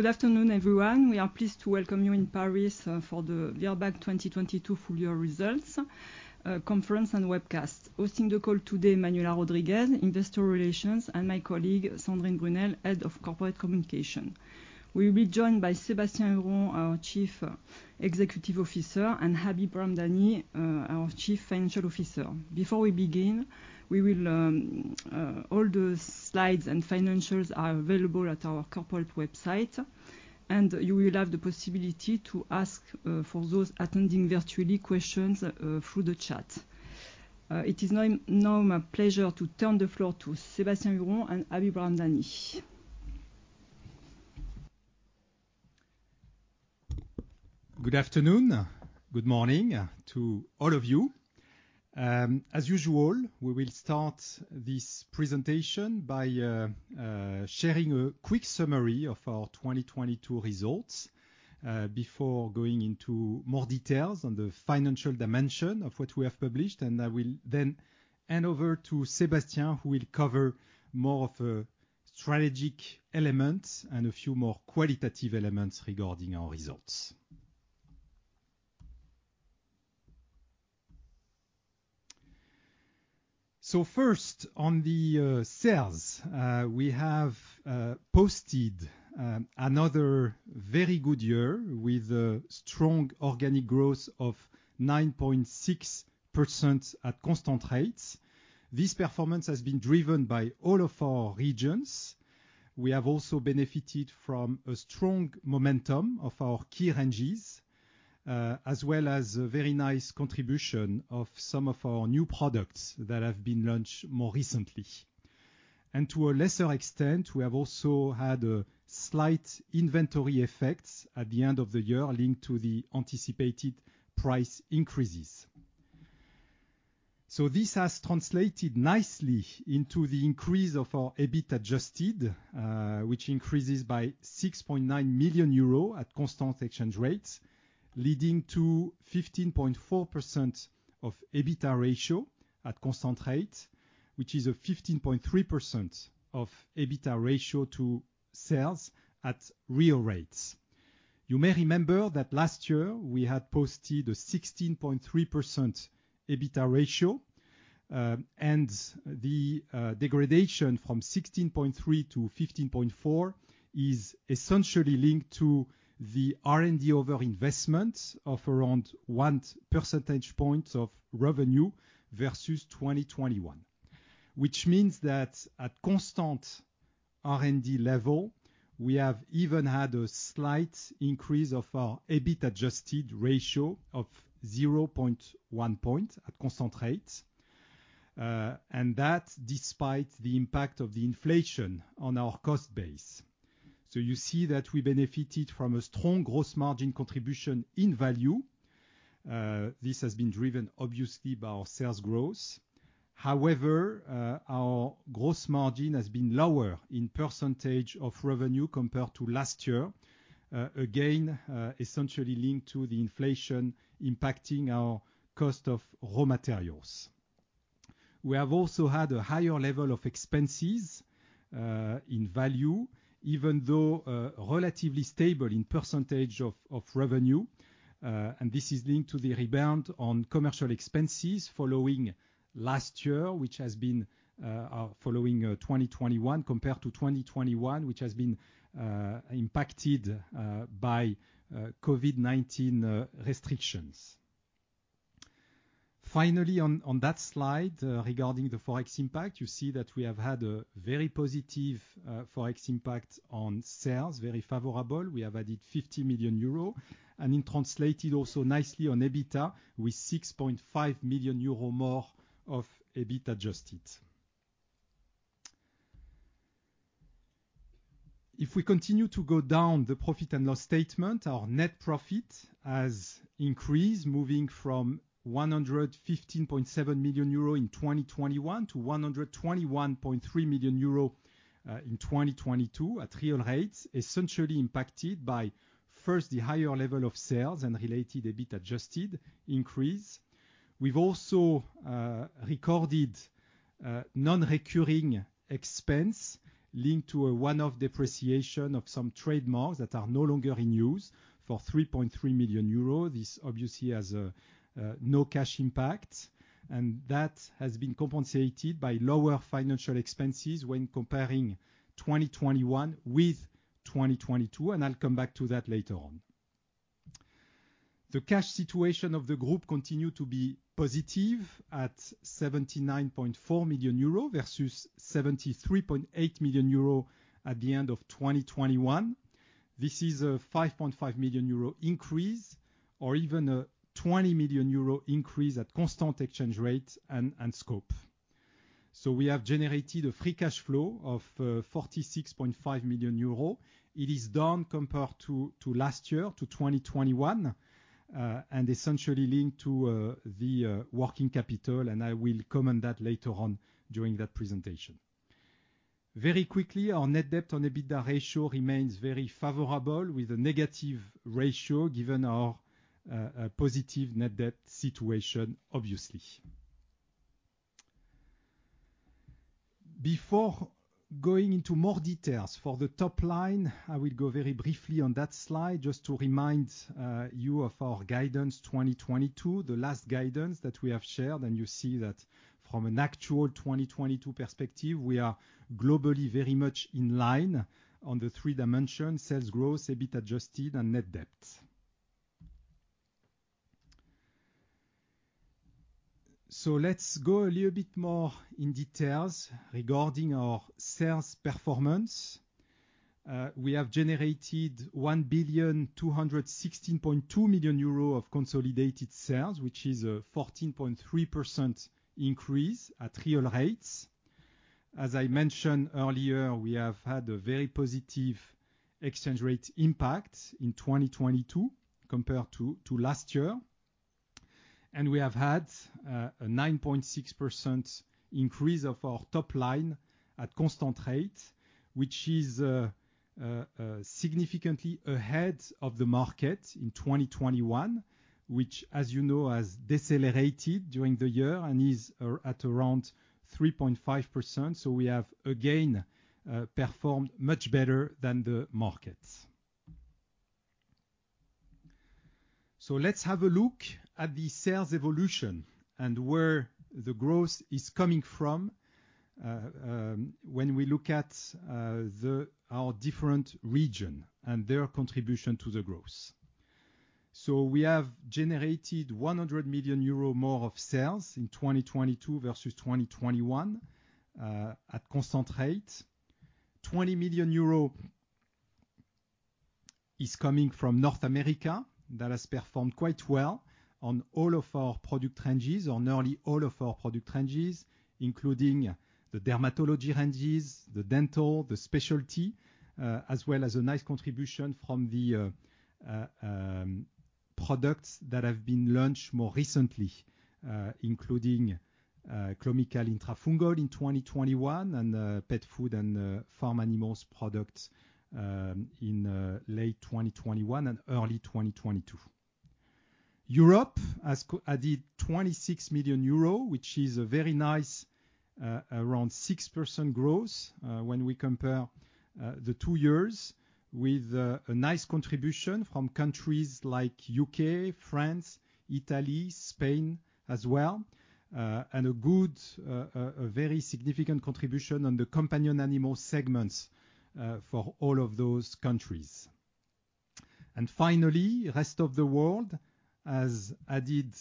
Good afternoon, everyone. We are pleased to welcome you in Paris for the Virbac 2022 Full Year Results Conference and Webcast. Hosting the call today, Manuela Rodriguez, Investor Relations, and my colleague Sandrine Brunel, Head of Corporate Communication. We will be joined by Sébastien Huron, our Chief Executive Officer, and Habib Ramdani, our Chief Financial Officer. Before we begin, all the slides and financials are available at our corporate website, and you will have the possibility to ask, for those attending virtually, questions through the chat. It is now my pleasure to turn the floor to Sébastien Huron and Habib Ramdani. Good afternoon. Good morning to all of you. As usual, we will start this presentation by sharing a quick summary of our 2022 results before going into more details on the financial dimension of what we have published. I will hand over to Sébastien, who will cover more of strategic elements and a few more qualitative elements regarding our results. First, on the sales, we have posted another very good year with a strong organic growth of 9.6% at constant rates. This performance has been driven by all of our regions. We have also benefited from a strong momentum of our key ranges, as well as a very nice contribution of some of our new products that have been launched more recently. To a lesser extent, we have also had a slight inventory effects at the end of the year linked to the anticipated price increases. This has translated nicely into the increase of our EBIT adjusted, which increases by 6.9 million euro at constant exchange rates, leading to 15.4% of EBITDA ratio at constant rate, which is a 15.3% of EBITDA ratio to sales at real rates. You may remember that last year we had posted a 16.3% EBITDA ratio, and the degradation from 16.3 to 15.4 is essentially linked to the R&D over investment of around 1 percentage point of revenue versus 2021. At constant R&D level, we have even had a slight increase of our EBIT adjusted ratio of 0.1 point at constant rates, despite the impact of the inflation on our cost base. You see that we benefited from a strong gross margin contribution in value. This has been driven obviously by our sales growth. However, our gross margin has been lower in % of revenue compared to last year, again, essentially linked to the inflation impacting our cost of raw materials. We have also had a higher level of expenses in value, even though relatively stable in % of revenue. This is linked to the rebound on commercial expenses following last year, which has been compared to 2021, which has been impacted by COVID-19 restrictions. Finally, on that slide, regarding the Forex impact, you see that we have had a very positive Forex impact on sales, very favorable. We have added 50 million euro and it translated also nicely on EBITDA with 6.5 million euro more of EBIT adjusted. We continue to go down the profit and loss statement, our net profit has increased, moving from 115.7 million euro in 2021 to 121.3 million euro in 2022 at real rates, essentially impacted by first the higher level of sales and related EBIT adjusted increase. We've also recorded non-recurring expense linked to a one-off depreciation of some trademarks that are no longer in use for 3.3 million euros. This obviously has no cash impact, and that has been compensated by lower financial expenses when comparing 2021 with 2022, and I'll come back to that later on. The cash situation of the group continued to be positive at 79.4 million euro versus 73.8 million euro at the end of 2021. This is a 5.5 million euro increase or even a 20 million euro increase at constant exchange rate and scope. We have generated a free cash flow of 46.5 million euro. It is down compared to last year, to 2021, and essentially linked to the working capital, and I will comment that later on during that presentation. Very quickly, our net debt on EBITDA ratio remains very favorable with a negative ratio given our positive net debt situation, obviously. Before going into more details for the top line, I will go very briefly on that slide just to remind you of our guidance 2022, the last guidance that we have shared. You see that from an actual 2022 perspective, we are globally very much in line on the three dimensions: sales growth, EBIT adjusted, and net debt. Let's go a little bit more in details regarding our sales performance. We have generated 1,216.2 million euro of consolidated sales, which is a 14.3% increase at real rates. As I mentioned earlier, we have had a very positive exchange rate impact in 2022 compared to last year. We have had a 9.6% increase of our top line at constant rate, which is significantly ahead of the market in 2021, which, as you know, has decelerated during the year and is at around 3.5%. We have again performed much better than the market. Let's have a look at the sales evolution and where the growth is coming from when we look at our different region and their contribution to the growth. We have generated 100 million euro more of sales in 2022 versus 2021 at constant rate. 20 million euro is coming from North America. That has performed quite well on all of our product ranges, on nearly all of our product ranges, including the dermatology ranges, the dental, the specialty, as well as a nice contribution from the products that have been launched more recently, Clynical Intrafungol in 2021 and pet food and farm animals products in late 2021 and early 2022. Europe has added 26 million euro, which is a very nice, around 6% growth, when we compare the two years with a nice contribution from countries like U.K., France, Italy, Spain as well, and a good, a very significant contribution on the companion animal segments for all of those countries. Finally, rest of the world has added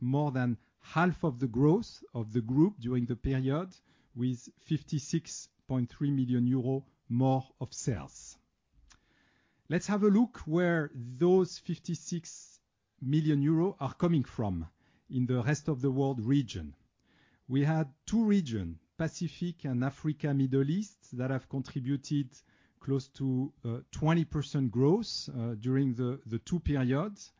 more than half of the growth of the group during the period with 56.3 million euro more of sales. Let's have a look where those 56 million euro are coming from in the rest of the world region. We had two region, Pacific and Africa, Middle East, that have contributed close to 20% growth during the two periods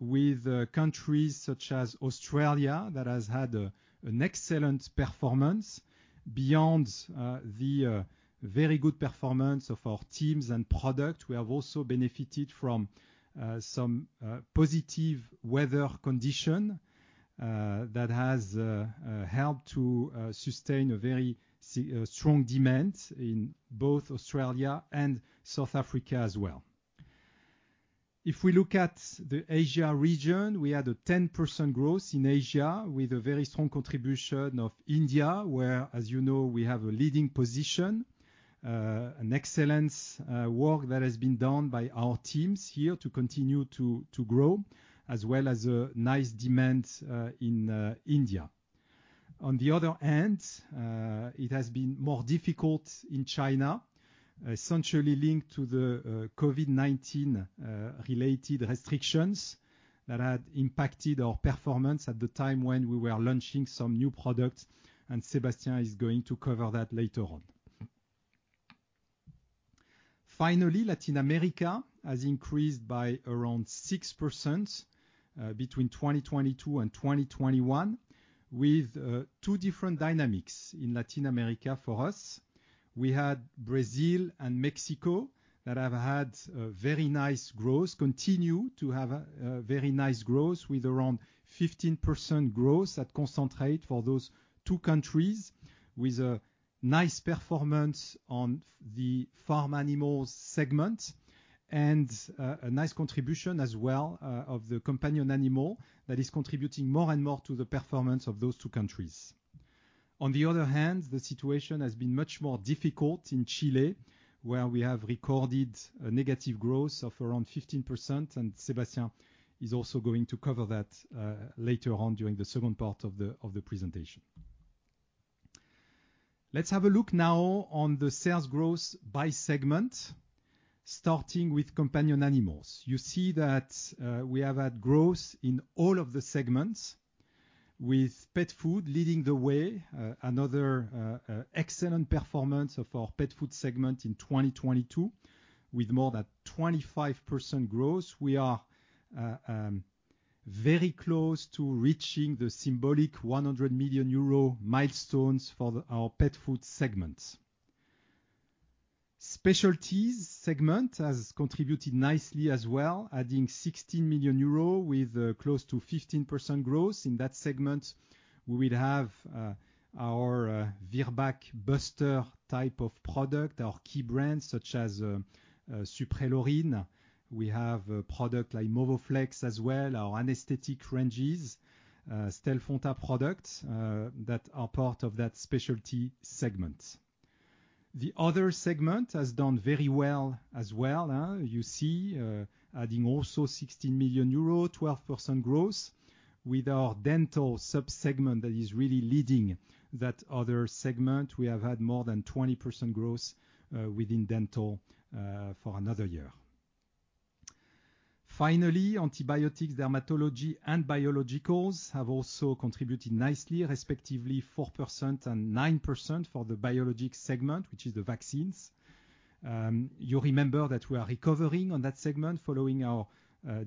with countries such as Australia that has had an excellent performance. Beyond the very good performance of our teams and product, we have also benefited from some positive weather condition that has helped to sustain a very strong demand in both Australia and South Africa as well. If we look at the Asia region, we had a 10% growth in Asia with a very strong contribution of India, where, as you know, we have a leading position, an excellent work that has been done by our teams here to continue to grow, as well as a nice demand in India. On the other hand, it has been more difficult in China, essentially linked to the COVID-19 related restrictions that had impacted our performance at the time when we were launching some new products, and Sébastien is going to cover that later on. Finally, Latin America has increased by around 6% between 2022 and 2021 with two different dynamics in Latin America for us. We had Brazil and Mexico that have had a very nice growth, continue to have a very nice growth with around 15% growth at constant rate for those two countries, with a nice performance on the farm animals segment and a nice contribution as well of the companion animal that is contributing more and more to the performance of those two countries. On the other hand, the situation has been much more difficult in Chile, where we have recorded a negative growth of around 15%, and Sébastien is also going to cover that later on during the second part of the presentation. Let's have a look now on the sales growth by segment, starting with companion animals. You see that we have had growth in all of the segments, with pet food leading the way. Another excellent performance of our pet food segment in 2022. With more than 25% growth, we are very close to reaching the symbolic 100 million euro milestones for our pet food segment. Specialties segment has contributed nicely as well, adding 16 million euros with close to 15% growth. In that segment, we will have our Virbac BUSTER type of product, our key brands such as Suprelorin. We have a product like MOVOFLEX as well, our anesthetic ranges, Stelfonta products that are part of that specialty segment. The other segment has done very well as well, you see, adding also 16 million euro, 12% growth with our dental sub-segment that is really leading that other segment. We have had more than 20% growth within dental for another year. Antibiotics, dermatology and biologicals have also contributed nicely, respectively 4% and 9% for the biologic segment, which is the vaccines. You remember that we are recovering on that segment following our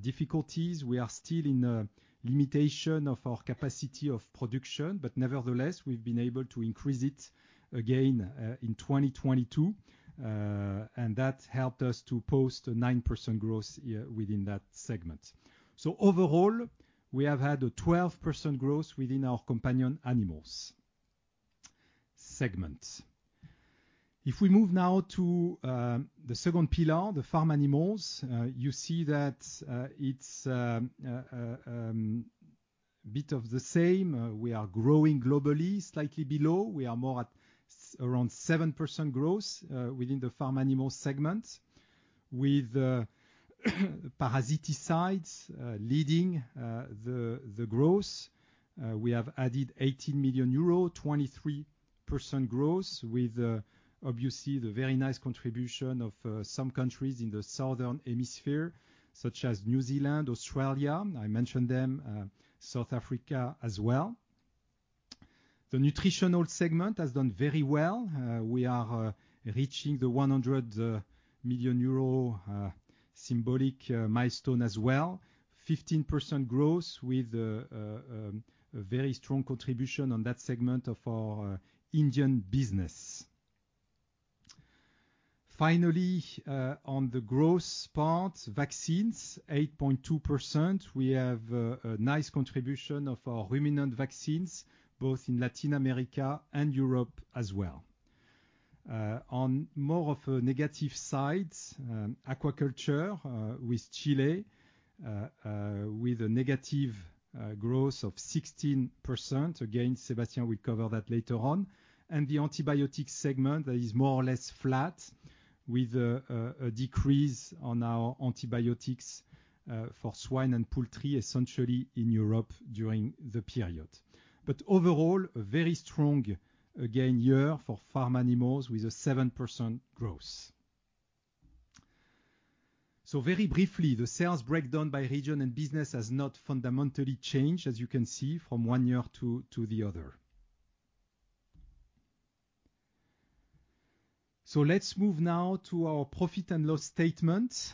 difficulties. We are still in a limitation of our capacity of production, but nevertheless, we've been able to increase it again in 2022. That helped us to post a 9% growth within that segment. Overall, we have had a 12% growth within our companion animals segment. We move now to the second pillar, the farm animals, you see that it's bit of the same. We are growing globally, slightly below. We are more around 7% growth within the farm animal segment with parasiticides leading the growth. We have added 18 million euro, 23% growth with obviously the very nice contribution of some countries in the southern hemisphere, such as New Zealand, Australia, I mentioned them, South Africa as well. The nutritional segment has done very well. We are reaching the 100 million euro symbolic milestone as well. 15% growth with a very strong contribution on that segment of our Indian business. Finally, on the growth part, vaccines 8.2%. We have a nice contribution of our ruminant vaccines, both in Latin America and Europe as well. On more of a negative side, aquaculture, with Chile, with a negative growth of 16%. Again, Sébastien will cover that later on. The antibiotics segment that is more or less flat with a decrease on our antibiotics for swine and poultry, essentially in Europe during the period. Overall, a very strong, again, year for farm animals with a 7% growth. Very briefly, the sales breakdown by region and business has not fundamentally changed, as you can see, from one year to the other. Let's move now to our profit and loss statement.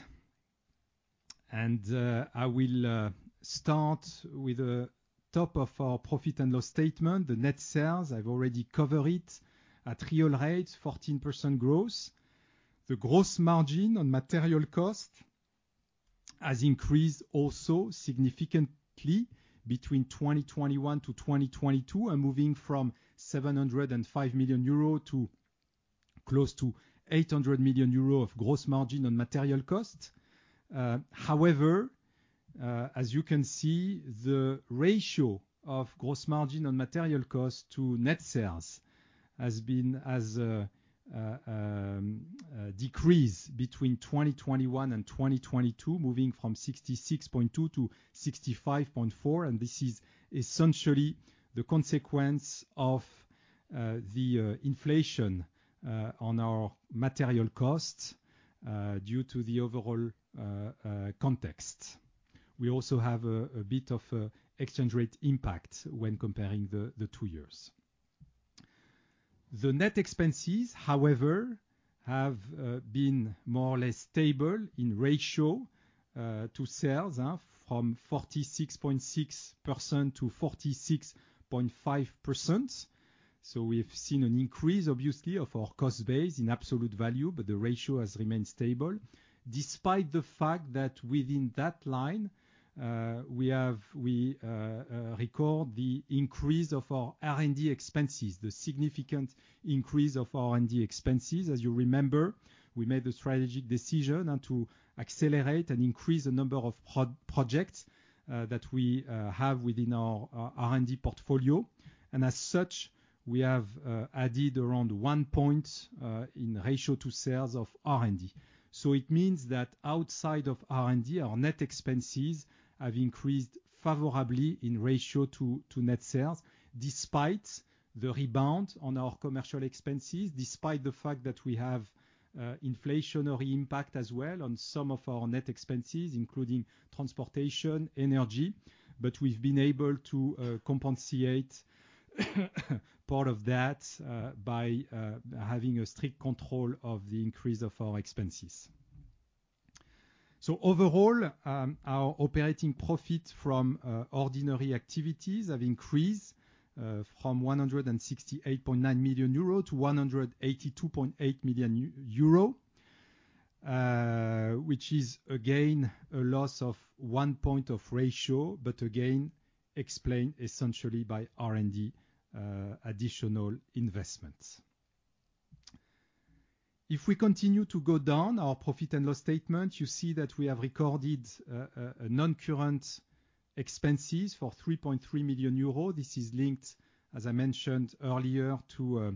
I will start with the top of our profit and loss statement. The net sales, I've already covered it. At real rates, 14% growth. The gross margin on material cost has increased also significantly between 2021 to 2022, moving from 705 million euro to close to 800 million euro of gross margin on material cost. However, as you can see, the ratio of gross margin on material cost to net sales has decreased between 2021 and 2022, moving from 66.2 to 65.4, and this is essentially the consequence of the inflation on our material costs due to the overall context. We also have a bit of exchange rate impact when comparing the two years. The net expenses, however, have been more or less stable in ratio to sales from 46.6%-46.5%. We've seen an increase, obviously, of our cost base in absolute value, but the ratio has remained stable, despite the fact that within that line, we record the increase of our R&D expenses, the significant increase of R&D expenses. As you remember, we made the strategic decision to accelerate and increase the number of pro-projects that we have within our R&D portfolio. As such, we have added around 1 point in ratio to sales of R&D. It means that outside of R&D, our net expenses have increased favorably in ratio to net sales, despite the rebound on our commercial expenses, despite the fact that we have inflationary impact as well on some of our net expenses, including transportation, energy. We've been able to compensate part of that by having a strict control of the increase of our expenses. Overall, our operating profit from ordinary activities have increased from 168.9 million euro to 182.8 million euro, which is again a loss of 1 point of ratio, but again explained essentially by R&D additional investments. If we continue to go down our profit and loss statement, you see that we have recorded a non-current expenses for 3.3 million euros. This is linked, as I mentioned earlier, to a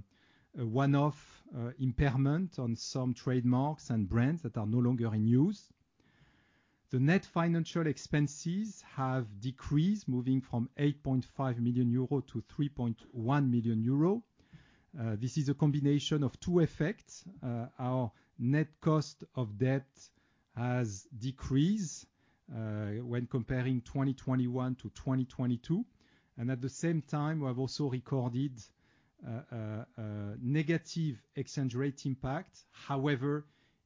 one-off impairment on some trademarks and brands that are no longer in use. The net financial expenses have decreased, moving from 8.5 million euro to 3.1 million euro. This is a combination of two effects. Our net cost of debt has decreased when comparing 2021 to 2022, and at the same time, we have also recorded a negative exchange rate impact.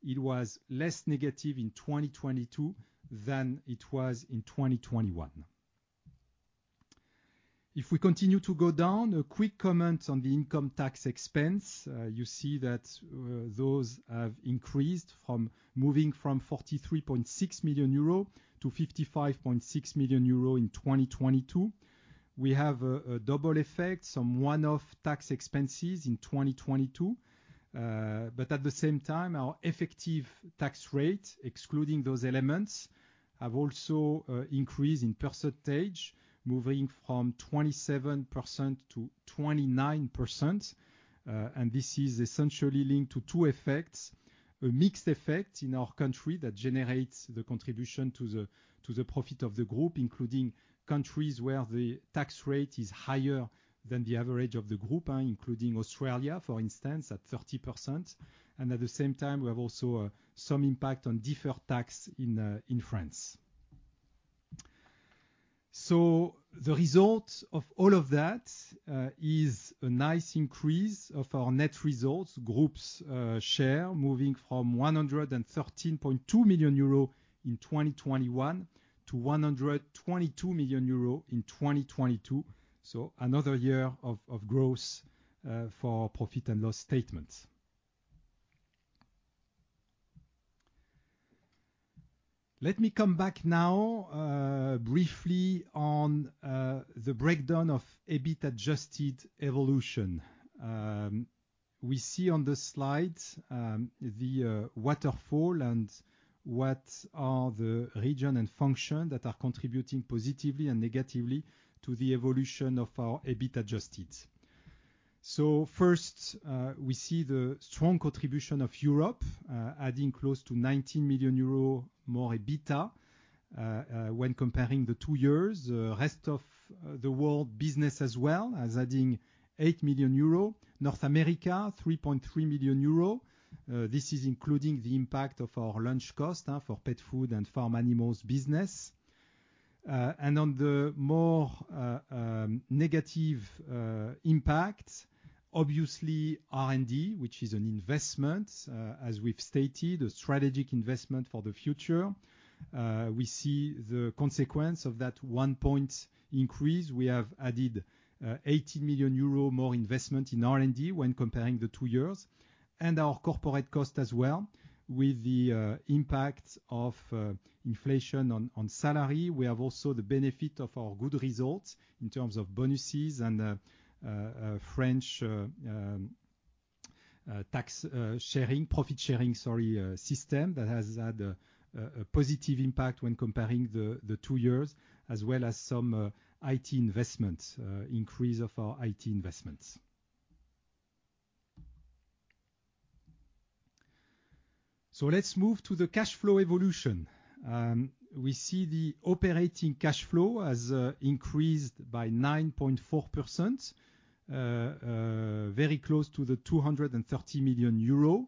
It was less negative in 2022 than it was in 2021. If we continue to go down, a quick comment on the income tax expense. You see that those have increased, moving from 43.6 million euro to 55.6 million euro in 2022. We have a double effect, some one-off tax expenses in 2022. At the same time, our effective tax rate, excluding those elements, have also increased in percentage, moving from 27% to 29%. This is essentially linked to 2 effects. A mixed effect in our country that generates the contribution to the profit of the group, including countries where the tax rate is higher than the average of the group, including Australia, for instance, at 30%. At the same time, we have also some impact on deferred tax in France. The result of all of that is a nice increase of our net results. Group's share moving from 113.2 million euro in 2021 to 122 million euro in 2022. Another year of growth for our profit and loss statements. Let me come back now, briefly on the breakdown of EBITA adjusted evolution. We see on this slide, the waterfall and what are the region and function that are contributing positively and negatively to the evolution of our EBITA adjusted. First, we see the strong contribution of Europe, adding close to 19 million euros more EBITA, when comparing the two years. The Rest of the World business as well as adding 8 million euro. North America, 3.3 million euro. This is including the impact of our launch cost for pet food and farm animals business. On the more negative impact, obviously R&D, which is an investment, as we've stated, a strategic investment for the future. We see the consequence of that 1 point increase. We have added 80 million euro more investment in R&D when comparing the 2 years. Our corporate cost as well with the impact of inflation on salary. We have also the benefit of our good results in terms of bonuses and French tax profit sharing, sorry, system that has had a positive impact when comparing the 2 years, as well as some IT investments, increase of our IT investments. Let's move to the cash flow evolution. We see the operating cash flow has increased by 9.4%, very close to 230 million euro,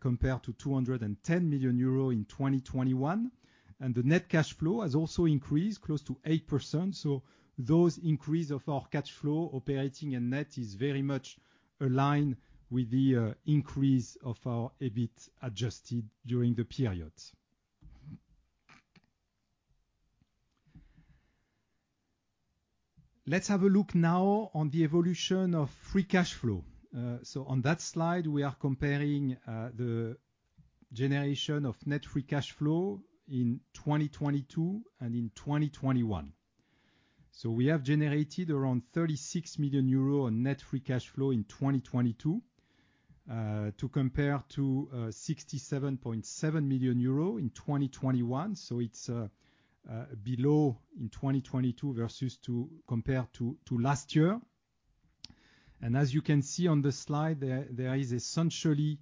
compared to 210 million euro in 2021. The net cash flow has also increased close to 8%. Those increase of our cash flow, operating and net, is very much aligned with the increase of our EBIT adjusted during the period. Let's have a look now on the evolution of free cash flow. On that slide, we are comparing the generation of net free cash flow in 2022 and in 2021. We have generated around 36 million euro on net free cash flow in 2022 to compare to 67.7 million euro in 2021. It's below in 2022 compared to last year. As you can see on this slide, there is essentially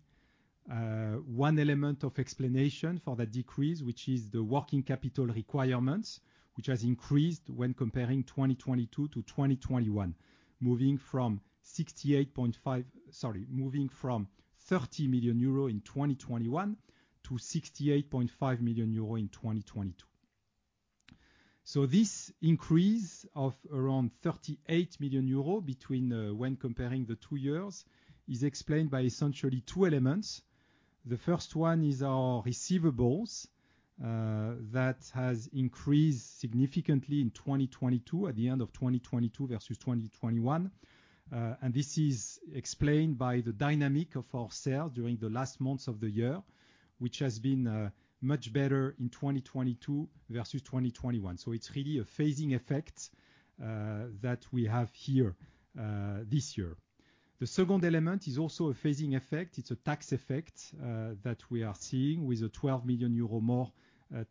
one element of explanation for the decrease, which is the working capital requirements, which has increased when comparing 2022 to 2021, moving from 68.5 million... Sorry. Moving from 30 million euro in 2021 to 68.5 million euro in 2022. This increase of around 38 million euro between when comparing the two years is explained by essentially two elements. The first one is our receivables that has increased significantly in 2022 at the end of 2022 versus 2021. This is explained by the dynamic of our sales during the last months of the year, which has been much better in 2022 versus 2021. It's really a phasing effect that we have here this year. The second element is also a phasing effect. It's a tax effect that we are seeing with a 12 million euro more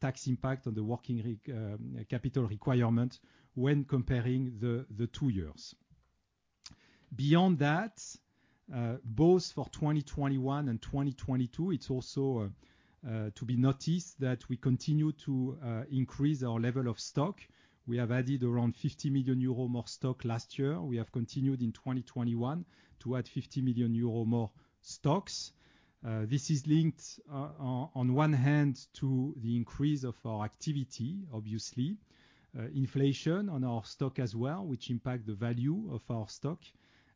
tax impact on the working capital requirement when comparing the two years. Beyond that, both for 2021 and 2022, it's also to be noticed that we continue to increase our level of stock. We have added around 50 million euro more stock last year. We have continued in 2021 to add 50 million euro more stocks. This is linked on one hand to the increase of our activity, obviously. Inflation on our stock as well, which impact the value of our stock,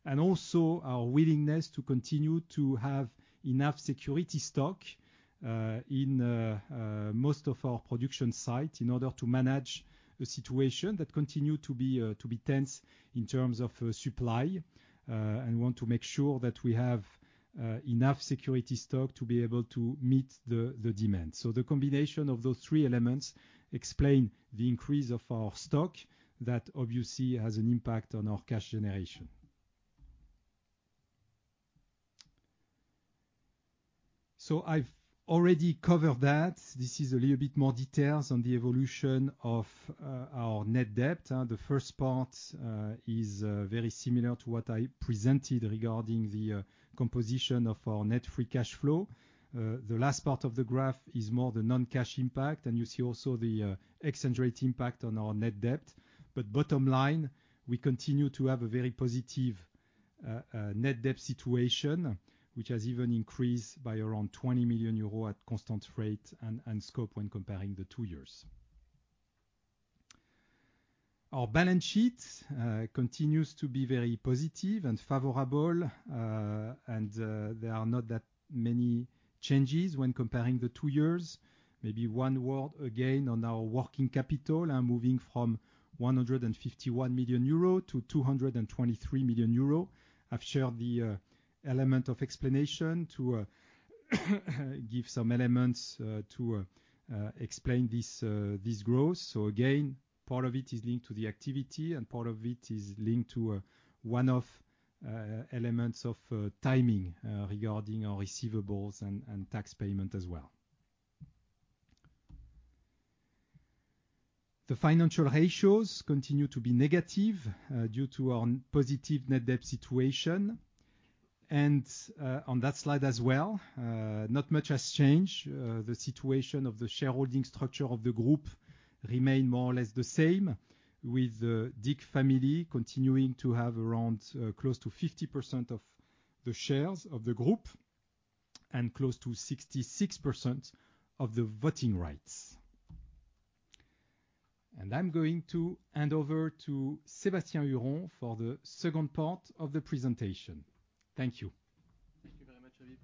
and also our willingness to continue to have enough security stock in most of our production site in order to manage a situation that continue to be tense in terms of supply. We want to make sure that we have enough security stock to be able to meet the demand. The combination of those three elements explain the increase of our stock. That obviously has an impact on our cash generation. I've already covered that. This is a little bit more details on the evolution of our net debt. The first part is very similar to what I presented regarding the composition of our net free cash flow. The last part of the graph is more the non-cash impact, and you see also the exchange rate impact on our net debt. Bottom line, we continue to have a very positive net debt situation, which has even increased by around 20 million euros at constant rate and scope when comparing the two years. Our balance sheet continues to be very positive and favorable. And there are not that many changes when comparing the two years. Maybe one word again on our working capital and moving from 151 million euro to 223 million euro. I've shared the element of explanation to give some elements to explain this growth. Again, part of it is linked to the activity, and part of it is linked to one-off elements of timing regarding our receivables and tax payment as well. The financial ratios continue to be negative due to our positive net debt situation. On that slide as well, not much has changed. The situation of the shareholding structure of the group remain more or less the same with the Dick family continuing to have around close to 50% of the shares of the group and close to 66% of the voting rights. I'm going to hand over to Sébastien Huron for the second part of the presentation. Thank you. Thank you very much, Habib.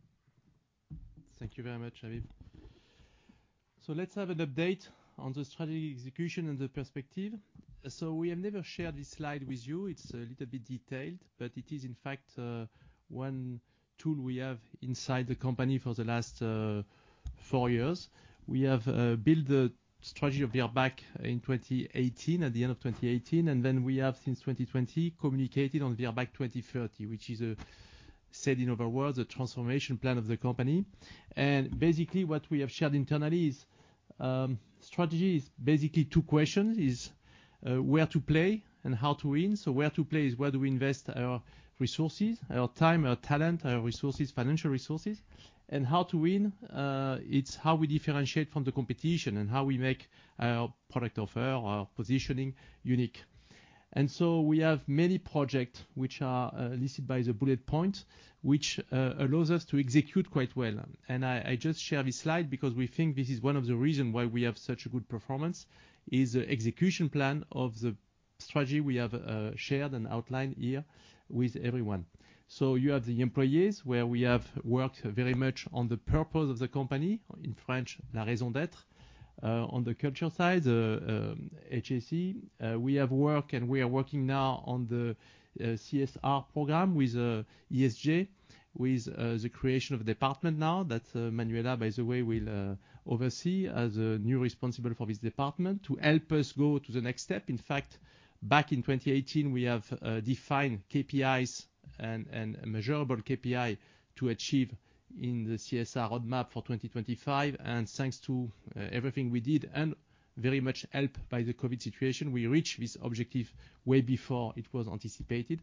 Thank you very much, Habib. Let's have an update on the strategy execution and the perspective. We have never shared this slide with you. It's a little bit detailed, but it is in fact, one tool we have inside the company for the last 4 years. We have built the strategy of Virbac in 2018, at the end of 2018, and then we have, since 2020, communicated on Virbac 2030, which is said in other words, a transformation plan of the company. Basically what we have shared internally is, strategy is basically two questions, is, where to play and how to win. Where to play is where do we invest our resources, our time, our talent, our resources, financial resources, and how to win. It's how we differentiate from the competition and how we make our product offer, our positioning unique. We have many project which are, listed by the bullet point, which allows us to execute quite well. I just share this slide because we think this is one of the reason why we have such a good performance, is the execution plan of the strategy we have, shared and outlined here with everyone. You have the employees, where we have worked very much on the purpose of the company. In French, la raison d'être. On the culture side, HSE, we have worked and we are working now on the CSR program with ESG, with the creation of department now that Manuela, by the way, will oversee as a new responsible for this department to help us go to the next step. In fact, back in 2018, we have defined KPIs and measurable KPI to achieve in the CSR roadmap for 2025. Thanks to everything we did and very much helped by the COVID situation, we reached this objective way before it was anticipated.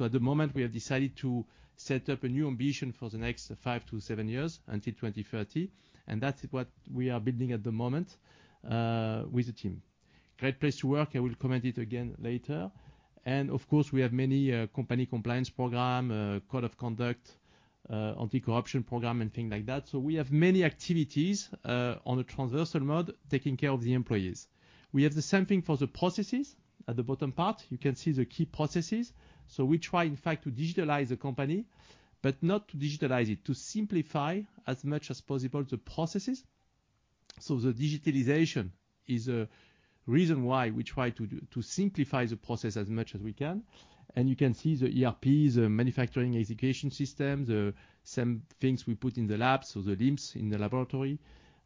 At the moment, we have decided to set up a new ambition for the next 5-7 years until 2030, and that's what we are building at the moment with the team. Great place to work, I will comment it again later. Of course, we have many company compliance program, code of conduct, anti-corruption program and things like that. We have many activities on a transversal mode taking care of the employees. We have the same thing for the processes. At the bottom part, you can see the key processes. We try, in fact, to digitalize the company, but not to digitalize it, to simplify as much as possible the processes. The digitalization is a reason why we try to simplify the process as much as we can. You can see the ERPs, the manufacturing execution system, the same things we put in the lab, so the LIMS in the laboratory,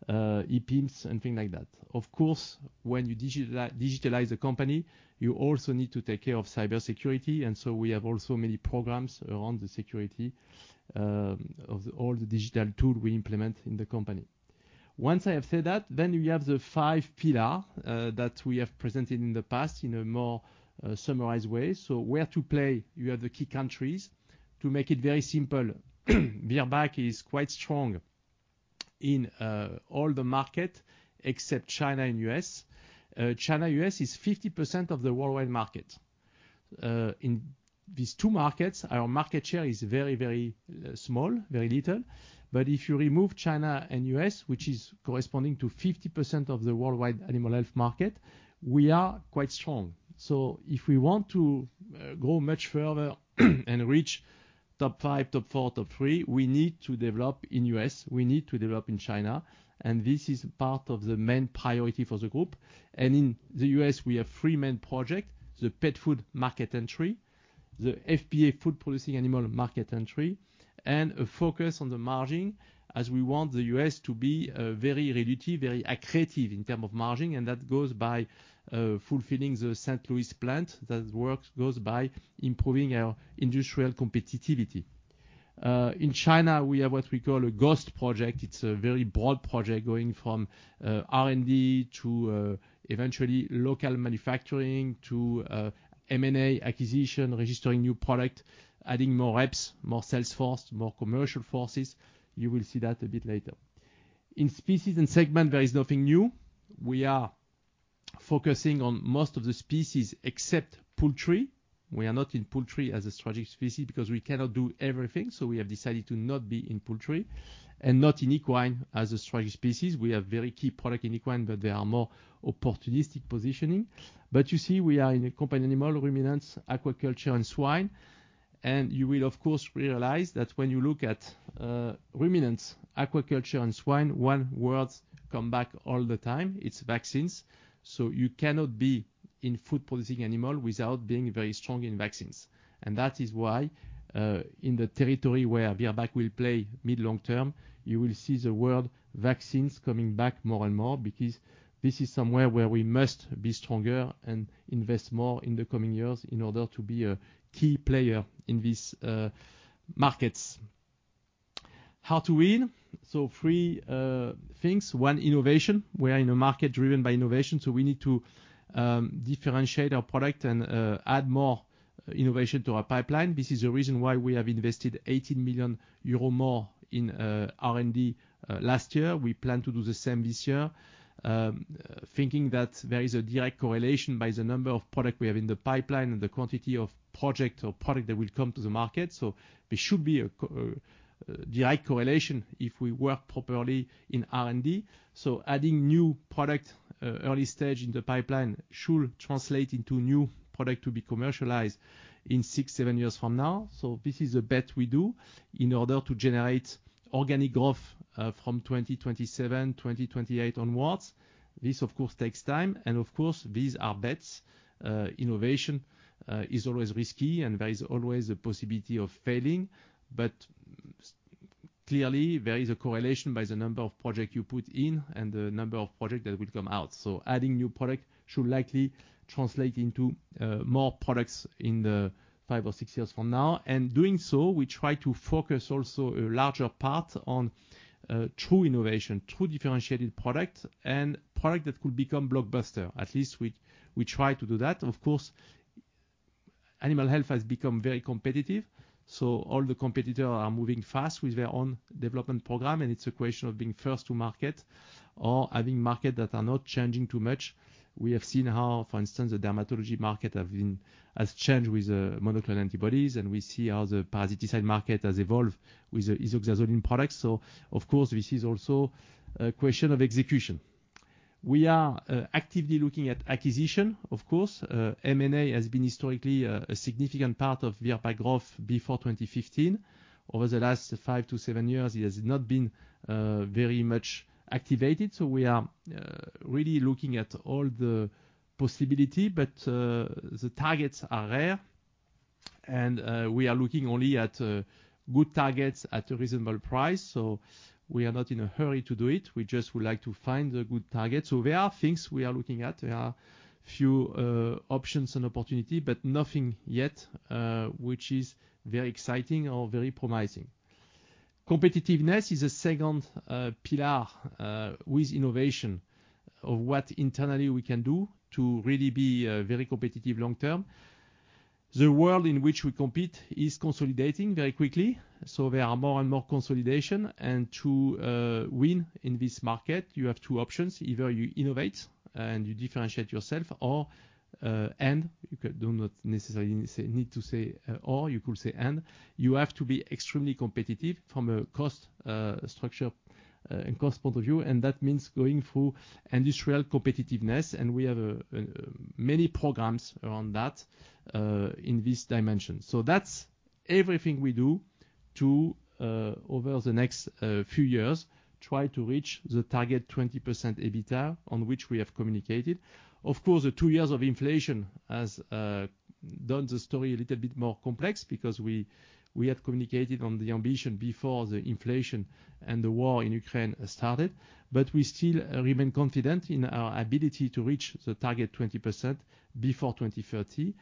EPIMS and things like that. Of course, when you digitalize the company, you also need to take care of cybersecurity. We have also many programs around the security of all the digital tool we implement in the company. Once I have said that, we have the 5 pillar that we have presented in the past in a more summarized way. Where to play? You have the key countries. To make it very simple, Virbac is quite strong in all the market except China and US. China/US is 50% of the worldwide market. In these two markets, our market share is very, very small, very little. If you remove China and US, which is corresponding to 50% of the worldwide animal health market, we are quite strong. If we want to grow much further and reach top five, top four, top three, we need to develop in U.S., we need to develop in China, and this is part of the main priority for the group. In the U.S., we have three main project, the pet food market entry, the FPA, food producing animal market entry, and a focus on the margin as we want the U.S. to be very relative, very accretive in term of margin. That goes by fulfilling the St. Louis plant. That work goes by improving our industrial competitivity. In China, we have what we call a Growth project. It's a very broad project going from R&D to eventually local manufacturing to M&A acquisition, registering new product, adding more reps, more sales force, more commercial forces. You will see that a bit later. In species and segment, there is nothing new. We are focusing on most of the species except poultry. We are not in poultry as a strategic species because we cannot do everything, so we have decided to not be in poultry and not in equine as a strategic species. We have very key product in equine, but they are more opportunistic positioning. You see, we are in a companion animal, ruminants, aquaculture, and swine. You will of course realize that when you look at ruminants, aquaculture and swine, one word come back all the time, it's vaccines. You cannot be in food producing animal without being very strong in vaccines. That is why, in the territory where Virbac will play mid-long term, you will see the word vaccines coming back more and more because this is somewhere where we must be stronger and invest more in the coming years in order to be a key player in these markets. How to win? 3 things. 1, innovation. We are in a market driven by innovation, so we need to differentiate our product and add more innovation to our pipeline. This is the reason why we have invested 80 million euro more in R&D last year. We plan to do the same this year, thinking that there is a direct correlation by the number of product we have in the pipeline and the quantity of project or product that will come to the market. There should be a direct correlation if we work properly in R&D. Adding new product early stage in the pipeline should translate into new product to be commercialized in six, seven years from now. This is a bet we do in order to generate organic growth from 2027, 2028 onwards. This of course takes time, and of course, these are bets. Innovation is always risky, and there is always a possibility of failing. Clearly, there is a correlation by the number of project you put in and the number of project that will come out. Adding new product should likely translate into more products in the five or six years from now. Doing so, we try to focus also a larger part on true innovation, true differentiated product and product that could become blockbuster. At least we try to do that. Animal health has become very competitive, all the competitor are moving fast with their own development program, it's a question of being first to market or having market that are not changing too much. We have seen how, for instance, the dermatology market has changed with monoclonal antibodies, we see how the parasiticide market has evolved with the isoxazoline products. Of course, this is also a question of execution. We are actively looking at acquisition, of course. M&A has been historically a significant part of Virbac growth before 2015. Over the last five to seven years, it has not been very much activated, we are really looking at all the possibility. The targets are rare, and, we are looking only at, good targets at a reasonable price. We are not in a hurry to do it. We just would like to find a good target. There are things we are looking at. There are few, options and opportunity, but nothing yet, which is very exciting or very promising. Competitiveness is a second, pillar, with innovation of what internally we can do to really be, very competitive long term. The world in which we compete is consolidating very quickly, so there are more and more consolidation. To win in this market, you have two options: either you innovate and you differentiate yourself or, and you do not necessarily need to say or, you could say and, you have to be extremely competitive from a cost structure and cost point of view, and that means going through industrial competitiveness. We have many programs around that in this dimension. That's everything we do to over the next few years, try to reach the target 20% EBITDA on which we have communicated. Of course, the two years of inflation has done the story a little bit more complex because we had communicated on the ambition before the inflation and the war in Ukraine started. We still remain confident in our ability to reach the target 20% before 2030.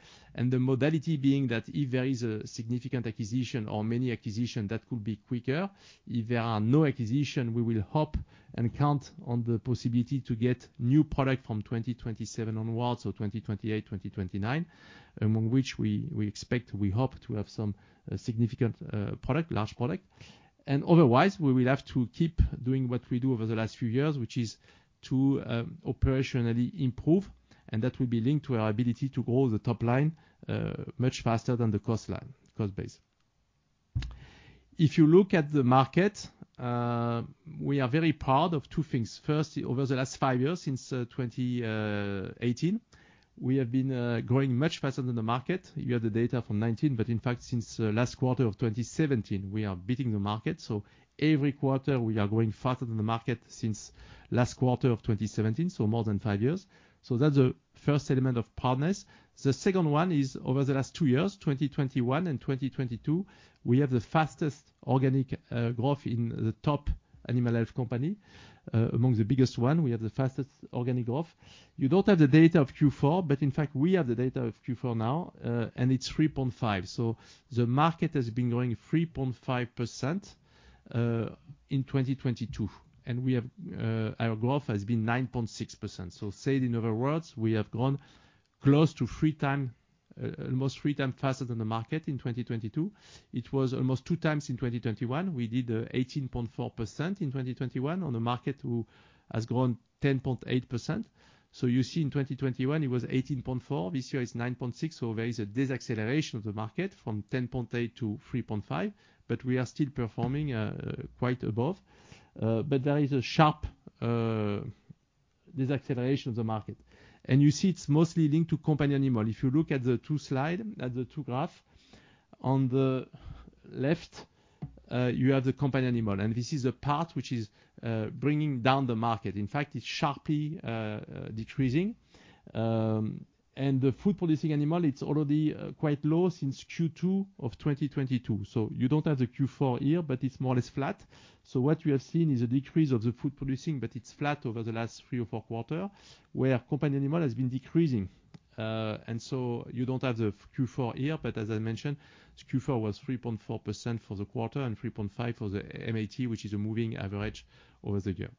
The modality being that if there is a significant acquisition or many acquisitions, that could be quicker. If there are no acquisitions, we will hope and count on the possibility to get new products from 2027 onwards or 2028, 2029, among which we expect, we hope to have some significant product, large product. Otherwise, we will have to keep doing what we do over the last few years, which is to operationally improve. That will be linked to our ability to grow the top line much faster than the cost line, cost base. If you look at the market, we are very proud of 2 things. First, over the last 5 years, since 2018, we have been growing much faster than the market. You have the data from 19. In fact, since last quarter of 2017, we are beating the market. Every quarter, we are growing faster than the market since last quarter of 2017, more than 5 years. That's the first element of proudness. The second one is over the last 2 years, 2021 and 2022, we have the fastest organic growth in the top animal health company. Among the biggest one, we have the fastest organic growth. You don't have the data of Q4. In fact, we have the data of Q4 now, and it's 3.5. The market has been growing 3.5% in 2022. Our growth has been 9.6%. Said in other words, we have grown almost 3 times faster than the market in 2022. It was almost 2 times in 2021. We did 18.4% in 2021 on a market who has grown 10.8%. You see in 2021, it was 18.4%. This year it's 9.6%. There is a deceleration of the market from 10.8% to 3.5%. We are still performing quite above. There is a sharp deceleration of the market. You see it's mostly linked to companion animal. If you look at the 2 graph, on the left, you have the companion animal, and this is a part which is bringing down the market. In fact, it's sharply decreasing. The food-producing animal, it's already quite low since Q2 of 2022, so you don't have the Q4 here, but it's more or less flat. What we have seen is a decrease of the food-producing, but it's flat over the last Q3 or Q4, where companion animal has been decreasing. You don't have the Q4 here, but as I mentioned, Q4 was 3.4% for the quarter and 3.5 for the MAT, which is a moving average over the year.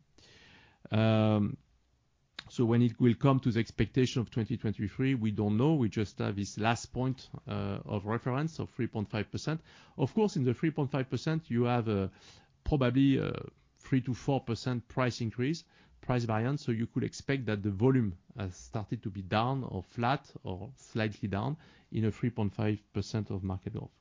When it will come to the expectation of 2023, we don't know. We just have this last point of reference of 3.5%. Of course, in the 3.5%, you have probably 3%-4% price increase, price variance. You could expect that the volume has started to be down or flat or slightly down in a 3.5% of market growth.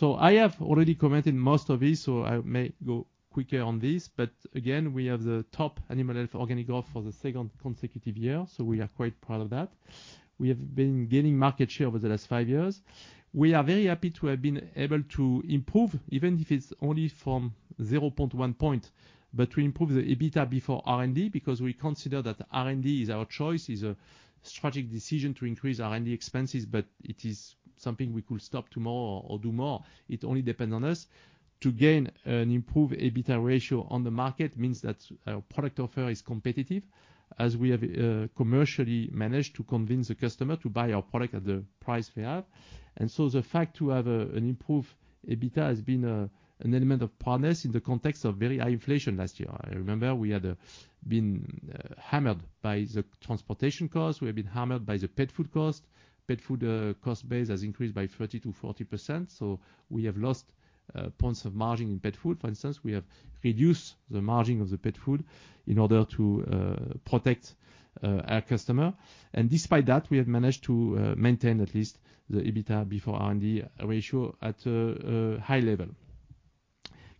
I have already commented most of this. I may go quicker on this. Again, we have the top animal health organic growth for the second consecutive year. We are quite proud of that. We have been gaining market share over the last five years. We are very happy to have been able to improve, even if it's only from 0.1 point. We improve the EBITDA before R&D because we consider that R&D is our choice. It's a strategic decision to increase R&D expenses. It is something we could stop tomorrow or do more. It only depends on us. To gain an improved EBITDA ratio on the market means that our product offer is competitive as we have commercially managed to convince the customer to buy our product at the price we have. The fact to have an improved EBITDA has been an element of proudness in the context of very high inflation last year. I remember we had been hammered by the transportation cost. We have been hammered by the pet food cost. Pet food cost base has increased by 30%-40%, we have lost points of margin in pet food. For instance, we have reduced the margin of the pet food in order to protect our customer. Despite that, we have managed to maintain at least the EBITDA before R&D ratio at a high level.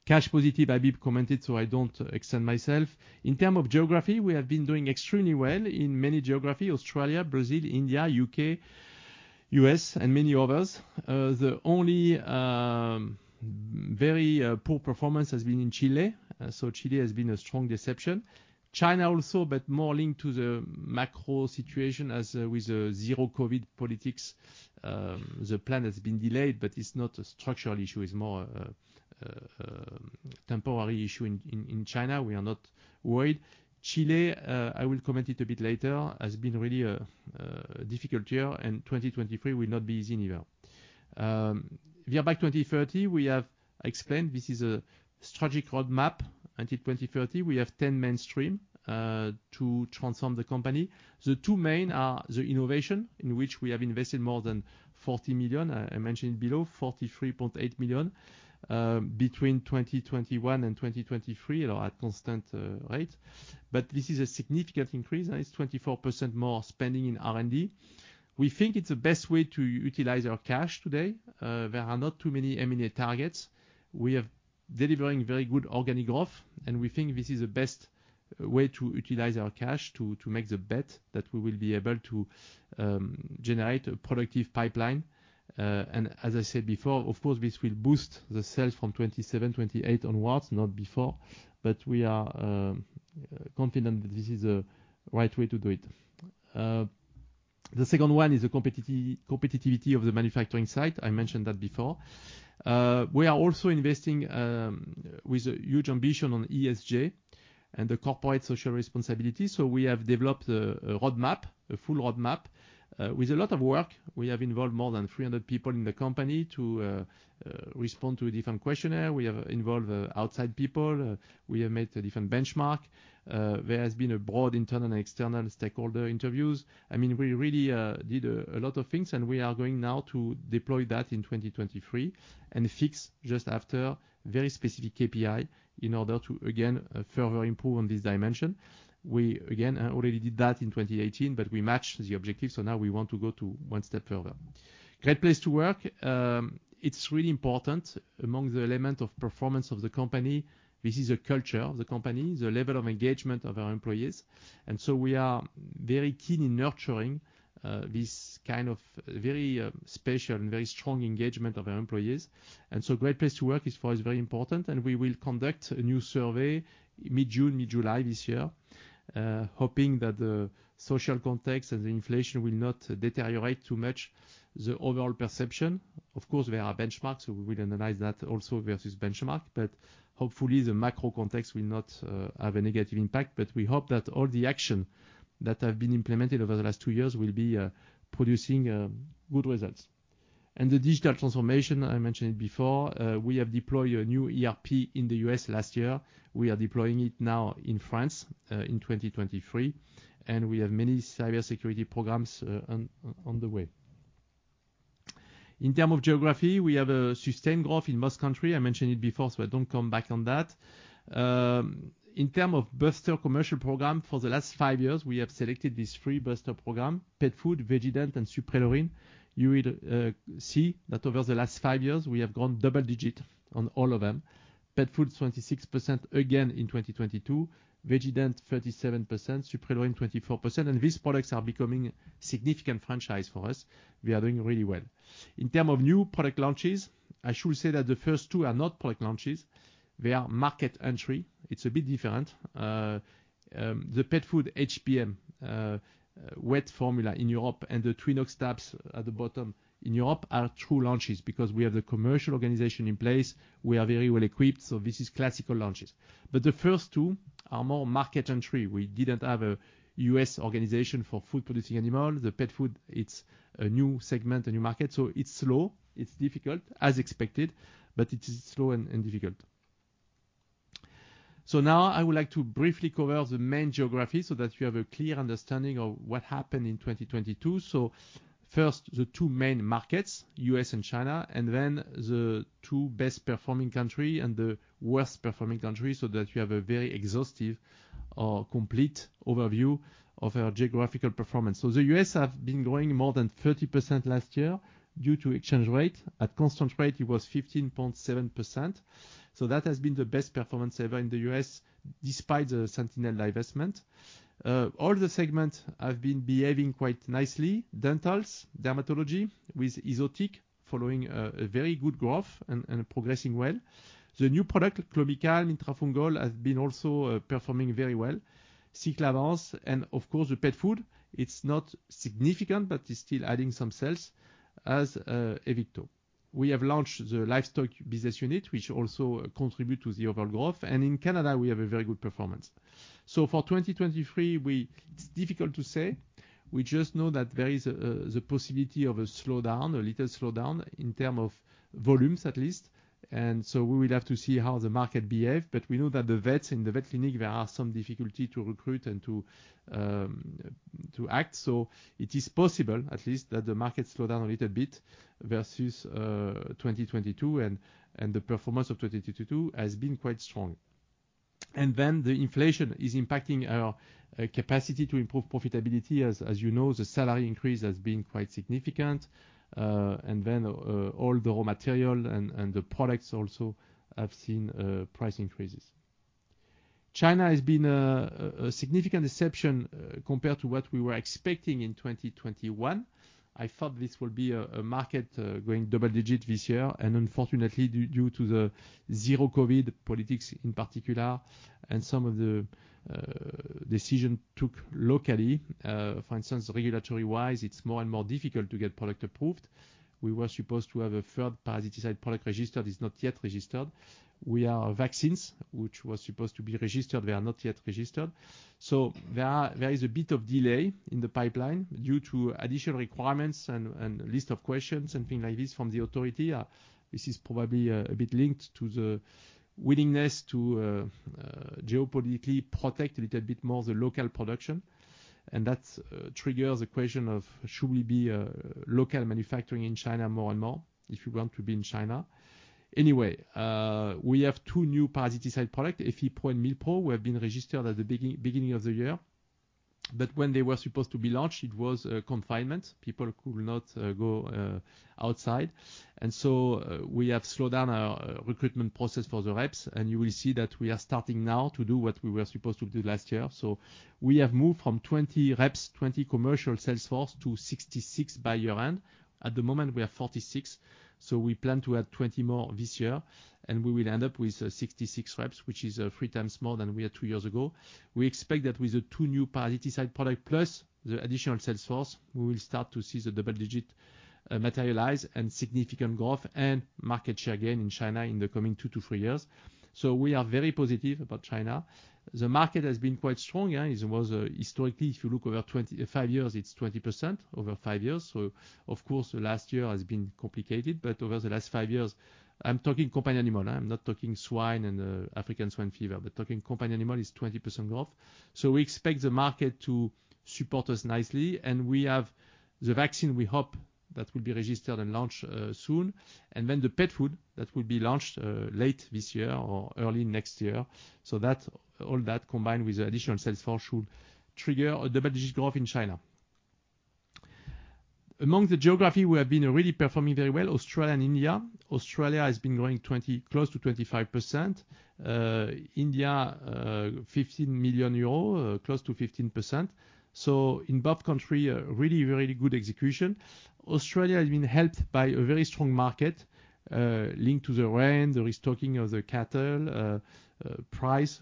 Cash positive Habib commented, I don't extend myself. In term of geography, we have been doing extremely well in many geography, Australia, Brazil, India, UK, US, and many others. The only very poor performance has been in Chile. Chile has been a strong deception. China also, more linked to the macro situation as with the zero-COVID politics. The plan has been delayed, it's not a structural issue. It's more a temporary issue in China. We are not worried. Chile, I will comment it a bit later, has been really a difficult year, 2023 will not be easy neither. Virbac 2030, we have explained this is a strategic roadmap until 2030. We have 10 mainstream to transform the company. The two main are the innovation in which we have invested more than 40 million. I mentioned below 43.8 million between 2021 and 2023 at a constant rate. This is a significant increase, and it's 24% more spending in R&D. We think it's the best way to utilize our cash today. There are not too many M&A targets. We are delivering very good organic growth, and we think this is the best way to utilize our cash to make the bet that we will be able to generate a productive pipeline. As I said before, of course, this will boost the sales from 2027, 2028 onwards, not before, but we are confident that this is the right way to do it. The second one is the competitivity of the manufacturing site. I mentioned that before. We are also investing with a huge ambition on ESG and the corporate social responsibility. We have developed a roadmap, a full roadmap, with a lot of work. We have involved more than 300 people in the company to respond to a different questionnaire. We have involved outside people. We have made a different benchmark. There has been a broad internal and external stakeholder interviews. I mean, we really did a lot of things. We are going now to deploy that in 2023 and fix just after very specific KPI in order to, again, further improve on this dimension. We, again, already did that in 2018. We matched the objective. Now we want to go to 1 step further. Great place to work. It's really important among the element of performance of the company. This is a culture of the company, the level of engagement of our employees. We are very keen in nurturing this kind of very special and very strong engagement of our employees. Great Place to Work is for us, very important. We will conduct a new survey mid-June, mid-July this year, hoping that the social context and the inflation will not deteriorate too much the overall perception. Of course, there are benchmarks. We will analyze that also versus benchmark, hopefully, the macro context will not have a negative impact. We hope that all the action that have been implemented over the last two years will be producing good results. The digital transformation, I mentioned it before, we have deployed a new ERP in the US last year. We are deploying it now in France in 2023. We have many cybersecurity programs on the way. In terms of geography, we have a sustained growth in most countries. I mentioned it before. I don't come back on that. In terms of booster commercial programs, for the last 5 years we have selected these three booster programs: pet food, VeggieDent, and Suprelorin. You will see that over the last 5 years, we have grown double-digit on all of them. Pet food's 26% again in 2022. VeggieDent, 37%. Suprelorin, 24%. These products are becoming significant franchises for us. We are doing really well. In term of new product launches, I should say that the first two are not product launches, they are market entry. It's a bit different. The pet food HPM wet formula in Europe and the Tulox tabs at the bottom in Europe are true launches because we have the commercial organization in place. We are very well equipped, so this is classical launches. The first two are more market entry. We didn't have a US organization for food-producing animals. The pet food, it's a new segment, a new market, so it's slow, it's difficult as expected, but it is slow and difficult. Now I would like to briefly cover the main geography so that you have a clear understanding of what happened in 2022. First, the two main markets, U.S. and China, and then the two best performing country and the worst performing country, so that you have a very exhaustive or complete overview of our geographical performance. The U.S. have been growing more than 30% last year due to exchange rate. At constant rate it was 15.7%. That has been the best performance ever in the U.S. despite the Sentinel divestment. All the segments have been behaving quite nicely. Dentals, dermatology with Easotic following a very good growth and progressing well. The new product, Clomicalm Itrafungol, has been also performing very well. Cyclavance and of course the pet food, it's not significant, but it's still adding some sales as Evicto. We have launched the livestock business unit, which also contribute to the overall growth. In Canada we have a very good performance. So for 2023, it's difficult to say. We just know that there is a the possibility of a slowdown, a little slowdown in term of volumes at least. We will have to see how the market behave. But we know that the vets in the vet clinic, there are some difficulty to recruit and to act. It is possible at least that the market slow down a little bit versus 2022 and the performance of 2022 has been quite strong. The inflation is impacting our capacity to improve profitability. As you know, the salary increase has been quite significant. And then all the raw material and the products also have seen price increases. China has been a significant exception compared to what we were expecting in 2021. I thought this will be a market growing double digit this year. Unfortunately, due to the zero-COVID politics in particular and some of the decision took locally, for instance, regulatory-wise, it's more and more difficult to get product approved. We were supposed to have a third parasitic product registered, it's not yet registered. We have vaccines, which was supposed to be registered, they are not yet registered. There is a bit of delay in the pipeline due to additional requirements and list of questions and things like this from the authority. This is probably a bit linked to the willingness to geopolitically protect a little bit more the local production. That triggers the question of should we be local manufacturing in China more and more if we want to be in China. We have two new parasiticide product, Efipo and Milpo, who have been registered at the beginning of the year. When they were supposed to be launched, it was a confinement. People could not go outside. We have slowed down our recruitment process for the reps, and you will see that we are starting now to do what we were supposed to do last year. We have moved from 20 reps, 20 commercial sales force to 66 by year-end. At the moment we are 46, we plan to add 20 more this year, and we will end up with 66 reps, which is 3 times more than we had 2 years ago. We expect that with the 2 new parasitic product plus the additional sales force, we will start to see the double digit materialize and significant growth and market share gain in China in the coming 2-3 years. We are very positive about China. The market has been quite strong, and it was historically, if you look over 25 years, it's 20% over 5 years. Of course, last year has been complicated, but over the last 5 years... I'm talking companion animal. I'm not talking swine and African swine fever, but talking companion animal is 20% growth. We expect the market to support us nicely, and we have the vaccine we hope that will be registered and launched soon, and then the pet food that will be launched late this year or early next year. All that combined with the additional sales force should trigger a double-digit growth in China. Among the geographies, we have been really performing very well, Australia and India. Australia has been growing close to 25%. India, 15 million euros, close to 15%. In both countries, a really, really good execution. Australia has been helped by a very strong market, linked to the rain, the restocking of the cattle, price.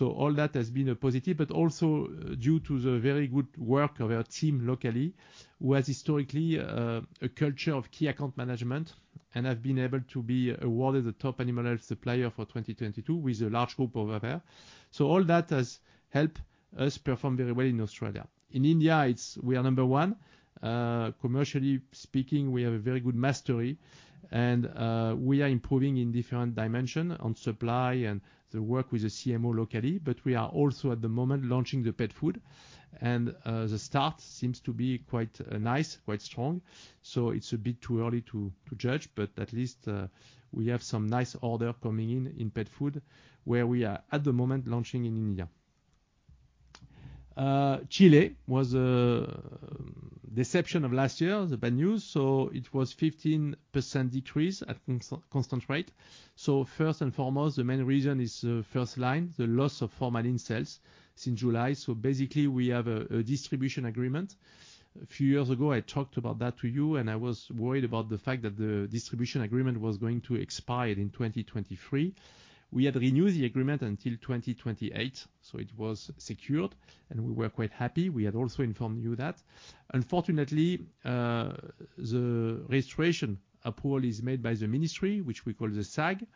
All that has been a positive, but also due to the very good work of our team locally, who has historically a culture of key account management and have been able to be awarded the top animal health supplier for 2022 with a large group over there. All that has helped us perform very well in Australia. In India, we are number one. Commercially speaking, we have a very good mastery and we are improving in different dimension on supply and the work with the CMO locally. We are also at the moment launching the pet food, and the start seems to be quite nice, quite strong, so it's a bit too early to judge, but at least, we have some nice order coming in in pet food where we are at the moment launching in India. Chile was the exception of last year, the bad news. It was 15% decrease at constant rate. First and foremost, the main reason is the first line, the loss of formalin sales since July. Basically, we have a distribution agreement. A few years ago, I talked about that to you, and I was worried about the fact that the distribution agreement was going to expire in 2023. We had renewed the agreement until 2028, so it was secured, and we were quite happy. We had also informed you that. Unfortunately, the registration approval is made by the ministry, which we call the SAG.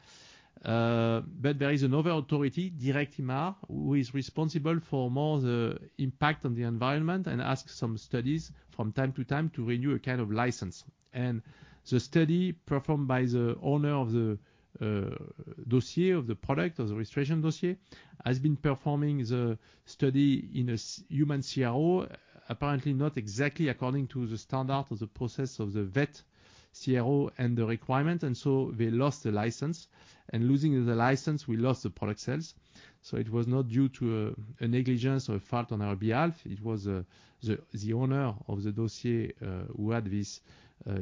But there is another authority, DIRECTEMAR, who is responsible for more the impact on the environment and ask some studies from time to time to renew a kind of license. And the study performed by the owner of the dossier of the product, of the registration dossier, has been performing the study in a human CRO, apparently not exactly according to the standard of the process of the vet CRO and the requirement, and so they lost the license. Losing the license, we lost the product sales. It was not due to a negligence or a fault on our behalf. It was the owner of the dossier who had this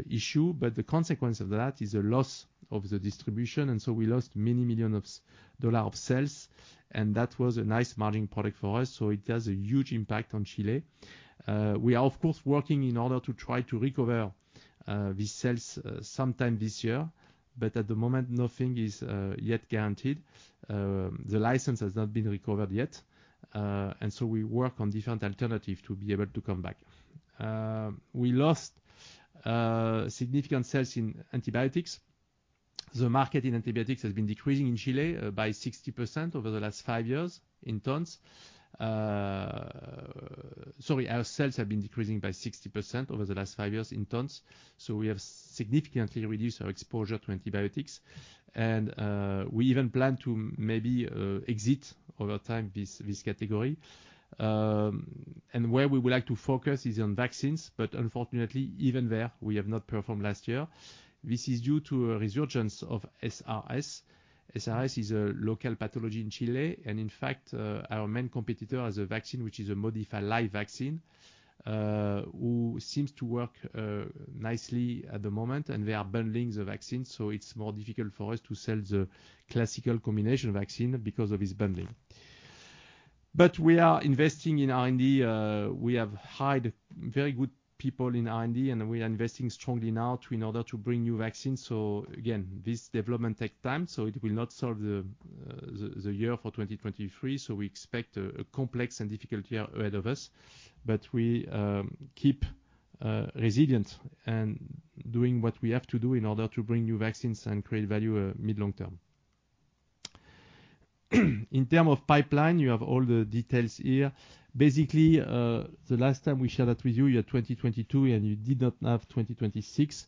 issue. The consequence of that is a loss of the distribution, we lost many million dollar of sales, and that was a nice margin product for us. It has a huge impact on Chile. We are of course, working in order to try to recover these sales sometime this year. At the moment, nothing is yet guaranteed. The license has not been recovered yet, we work on different alternative to be able to come back. We lost significant sales in antibiotics. The market in antibiotics has been decreasing in Chile by 60% over the last 5 years in tons. Sorry, our sales have been decreasing by 60% over the last 5 years in tons. We have significantly reduced our exposure to antibiotics. We even plan to maybe exit over time this category. Where we would like to focus is on vaccines, unfortunately, even there we have not performed last year. This is due to a resurgence of SRS. SRS is a local pathology in Chile. In fact, our main competitor has a vaccine, which is a modified live vaccine, who seems to work nicely at the moment, and they are bundling the vaccine, so it's more difficult for us to sell the classical combination vaccine because of this bundling. We are investing in R&D, we have hired very good people in R&D, and we are investing strongly now in order to bring new vaccines. Again, this development take time, so it will not solve the year for 2023. We expect a complex and difficult year ahead of us. We keep resilient and doing what we have to do in order to bring new vaccines and create value, mid, long term. In term of pipeline, you have all the details here. Basically, the last time we shared that with you had 2022, and you did not have 2026.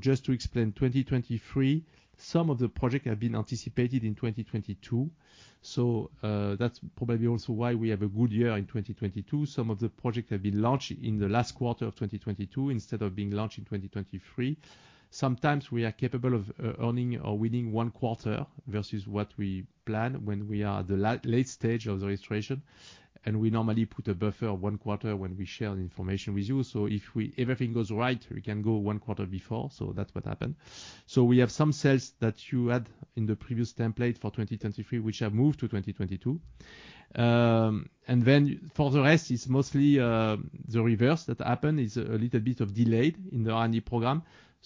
Just to explain, 2023, some of the project have been anticipated in 2022. That's probably also why we have a good year in 2022. Some of the projects have been launched in the last quarter of 2022 instead of being launched in 2023. Sometimes we are capable of earning or winning 1 quarter versus what we plan when we are at the late stage of the registration, and we normally put a buffer of 1 quarter when we share the information with you. If everything goes right, we can go 1 quarter before, so that's what happened. We have some sales that you had in the previous template for 2023, which have moved to 2022. For the rest, it's mostly the reverse that happened. It's a little bit of delayed in the R&D program.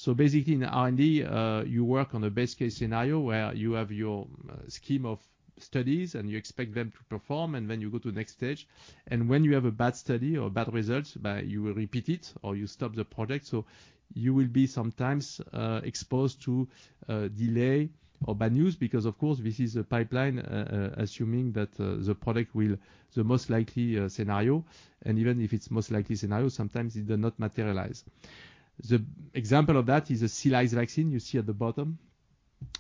In R&D, you work on a best case scenario where you have your scheme of studies, and you expect them to perform, and then you go to the next stage. When you have a bad study or bad results, but you will repeat it or you stop the project. You will be sometimes exposed to delay or bad news because of course this is a pipeline assuming that the product will the most likely scenario, and even if it's most likely scenario, sometimes it does not materialize. The example of that is the Caligus vaccine you see at the bottom.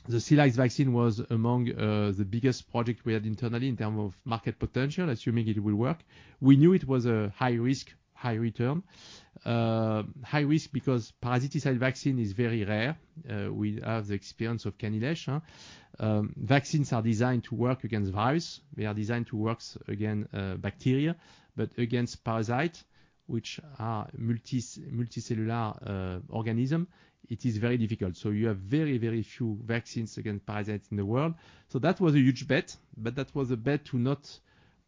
The Caligus vaccine was among the biggest project we had internally in term of market potential, assuming it will work. We knew it was a high risk, high return. High risk because parasiticide vaccine is very rare. We have the experience of CaniLeish, huh? Vaccines are designed to work against virus. They are designed to works against bacteria. Against parasite, which are multi-multicellular organism, it is very difficult. You have very, very few vaccines against parasites in the world. That was a huge bet, but that was a bet to not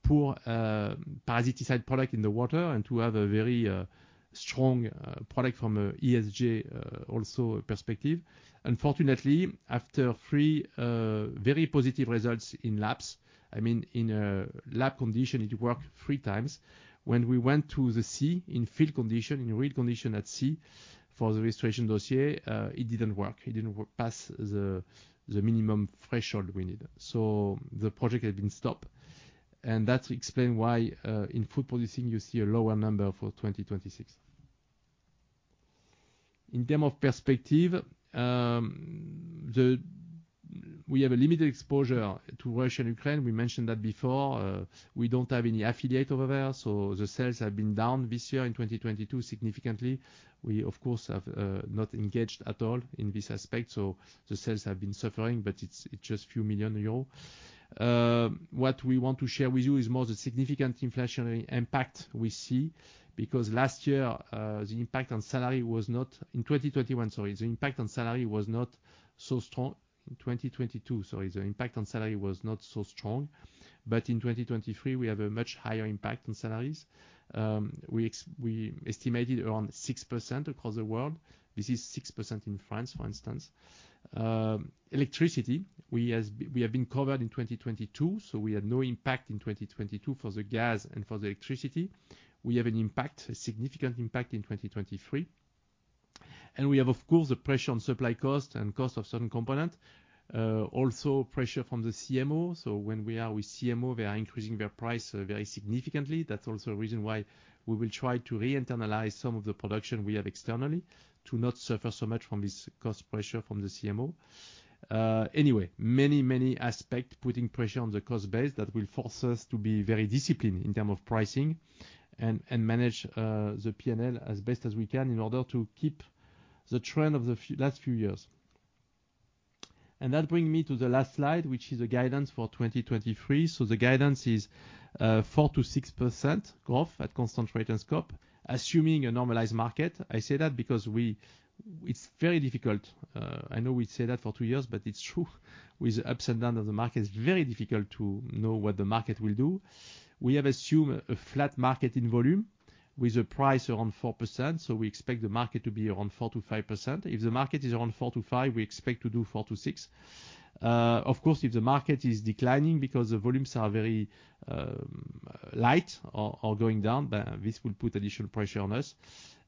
pour parasiticide product in the water and to have a very strong product from a ESG also perspective. Unfortunately, after three very positive results in labs, I mean, in a lab condition, it worked three times. When we went to the sea in field condition, in real condition at sea for the registration dossier, it didn't work. It didn't work past the minimum threshold we needed. The project had been stopped. That explain why in food-producing you see a lower number for 2026. In term of perspective, We have a limited exposure to Russia and Ukraine. We mentioned that before. We don't have any affiliate over there, so the sales have been down this year in 2022 significantly. We of course have not engaged at all in this aspect, so the sales have been suffering, but it's just few million EUR. What we want to share with you is more the significant inflationary impact we see. Last year, the impact on salary was not. In 2021, sorry. The impact on salary was not so strong. In 2022, sorry. The impact on salary was not so strong. We have a much higher impact on salaries. We estimated around 6% across the world. This is 6% in France, for instance. Electricity, we have been covered in 2022, so we had no impact in 2022 for the gas and for the electricity. We have an impact, a significant impact in 2023. We have of course the pressure on supply cost and cost of certain component. Also pressure from the CMO. When we are with CMO, they are increasing their price very significantly. That's also a reason why we will try to re-internalize some of the production we have externally to not suffer so much from this cost pressure from the CMO. Anyway, many aspect putting pressure on the cost base that will force us to be very disciplined in term of pricing and manage the P&L as best as we can in order to keep the trend of the last few years. That bring me to the last slide, which is a guidance for 2023. The guidance is 4%-6% growth at constant rate and scope, assuming a normalized market. I say that because it's very difficult, I know we say that for 2 years, but it's true. With the ups and down of the market, it's very difficult to know what the market will do. We have assumed a flat market in volume with a price around 4%, we expect the market to be around 4%-5%. If the market is around 4%-5%, we expect to do 4%-6%. Of course, if the market is declining because the volumes are very light or going down, then this will put additional pressure on us.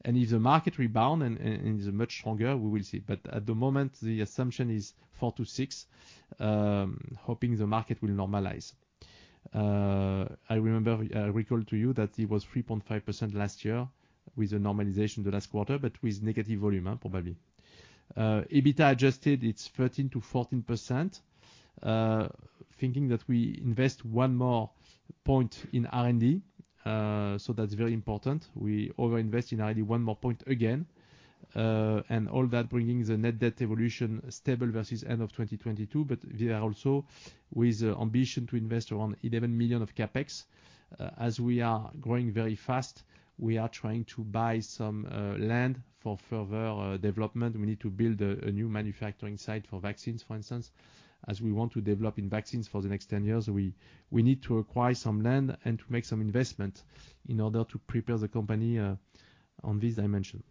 If the market rebound and is much stronger, we will see. At the moment, the assumption is 4%-6%, hoping the market will normalize. I remember, recall to you that it was 3.5% last year with the normalization the last quarter, but with negative volume, huh, probably. EBITA adjusted, it's 13%-14%. Thinking that we invest one more point in R&D, that's very important. We over-invest in R&D one more point again. All that bringing the net debt evolution stable versus end of 2022, but we are also with ambition to invest around 11 million of CapEx. We are growing very fast, we are trying to buy some land for further development. We need to build a new manufacturing site for vaccines, for instance. We want to develop in vaccines for the next 10 years, we need to acquire some land and to make some investment in order to prepare the company on this dimension.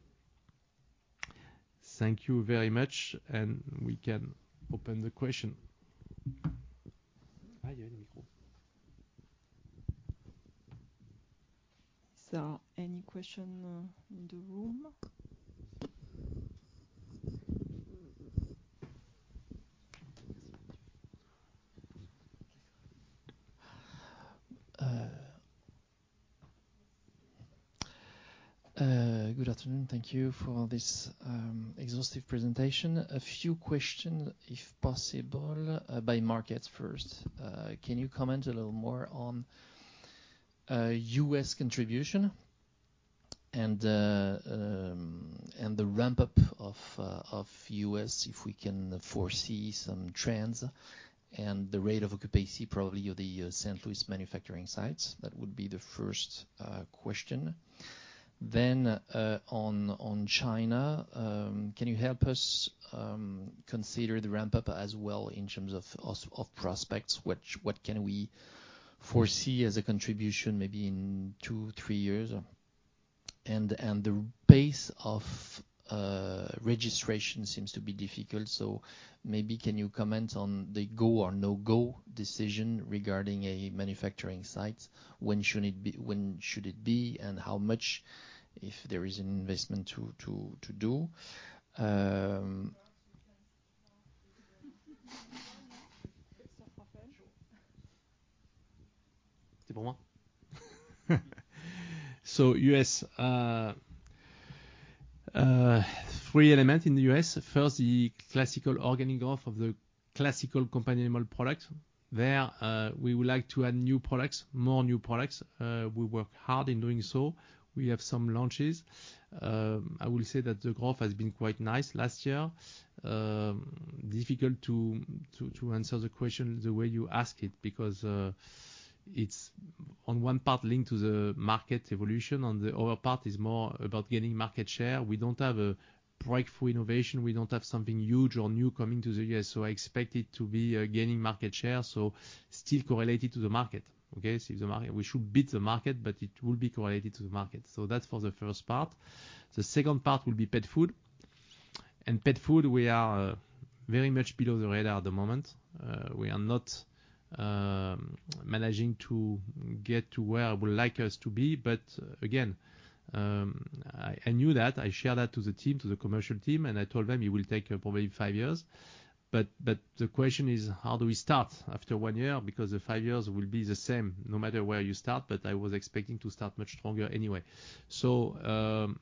Thank you very much. We can open the question. Is there any question in the room? Good afternoon. Thank you for this exhaustive presentation. A few questions, if possible, by markets first. Can you comment a little more on U.S. contribution and the ramp up of U.S., if we can foresee some trends and the rate of occupancy probably of the St. Louis manufacturing sites? That would be the first question. On China, can you help us consider the ramp up as well in terms of also of prospects? What can we foresee as a contribution maybe in 2, 3 years? The pace of registration seems to be difficult, so maybe can you comment on the go or no-go decision regarding a manufacturing site? When should it be, and how much, if there is an investment to do? U.S., 3 elements in the U.S. First, the classical organic off of the classical companion animal product. There, we would like to add new products, more new products. We work hard in doing so. We have some launches. I will say that the growth has been quite nice last year. Difficult to answer the question the way you ask it because it's on one part linked to the market evolution, on the other part is more about gaining market share. We don't have a breakthrough innovation. We don't have something huge or new coming to the U.S., so I expect it to be gaining market share, so still correlated to the market, okay. See the market. We should beat the market, but it will be correlated to the market. That's for the first part. The second part will be pet food. Pet food we are very much below the radar at the moment. We are not managing to get to where I would like us to be. Again, I knew that. I share that to the team, to the commercial team, and I told them it will take probably 5 years. The question is how do we start after 1 year? Because the 5 years will be the same no matter where you start. I was expecting to start much stronger anyway. Sometimes,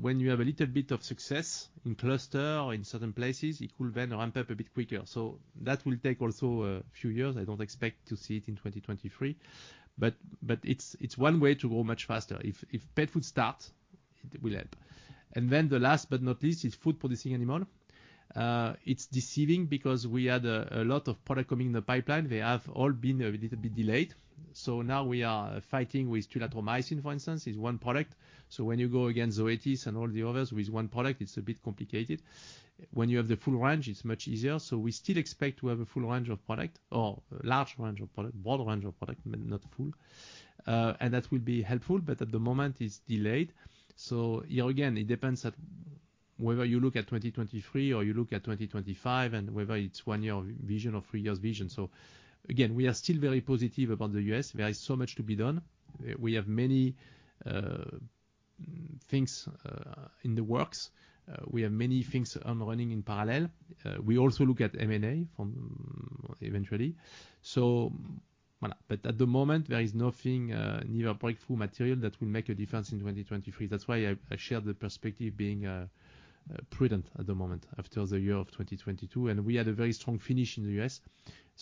when you have a little bit of success in cluster or in certain places, it will then ramp up a bit quicker. That will take also a few years. I don't expect to see it in 2023, but it's one way to go much faster. If pet food starts, it will help. The last but not least is food-producing animal. It's deceiving because we had a lot of product coming in the pipeline. They have all been a little bit delayed. Now we are fighting with tylosin, for instance, is one product. When you go against Zoetis and all the others with one product, it's a bit complicated. When you have the full range, it's much easier. We still expect to have a full range of product or large range of product, broad range of product, but not full. That will be helpful. At the moment it's delayed. Here again, it depends at whether you look at 2023 or you look at 2025 and whether it's 1-year vision or 3 years vision. Again, we are still very positive about the US. There is so much to be done. We have many things in the works. We have many things running in parallel. We also look at M&A from eventually. Voilà. At the moment there is nothing near breakthrough material that will make a difference in 2023. That's why I share the perspective being prudent at the moment after the year of 2022. We had a very strong finish in the US.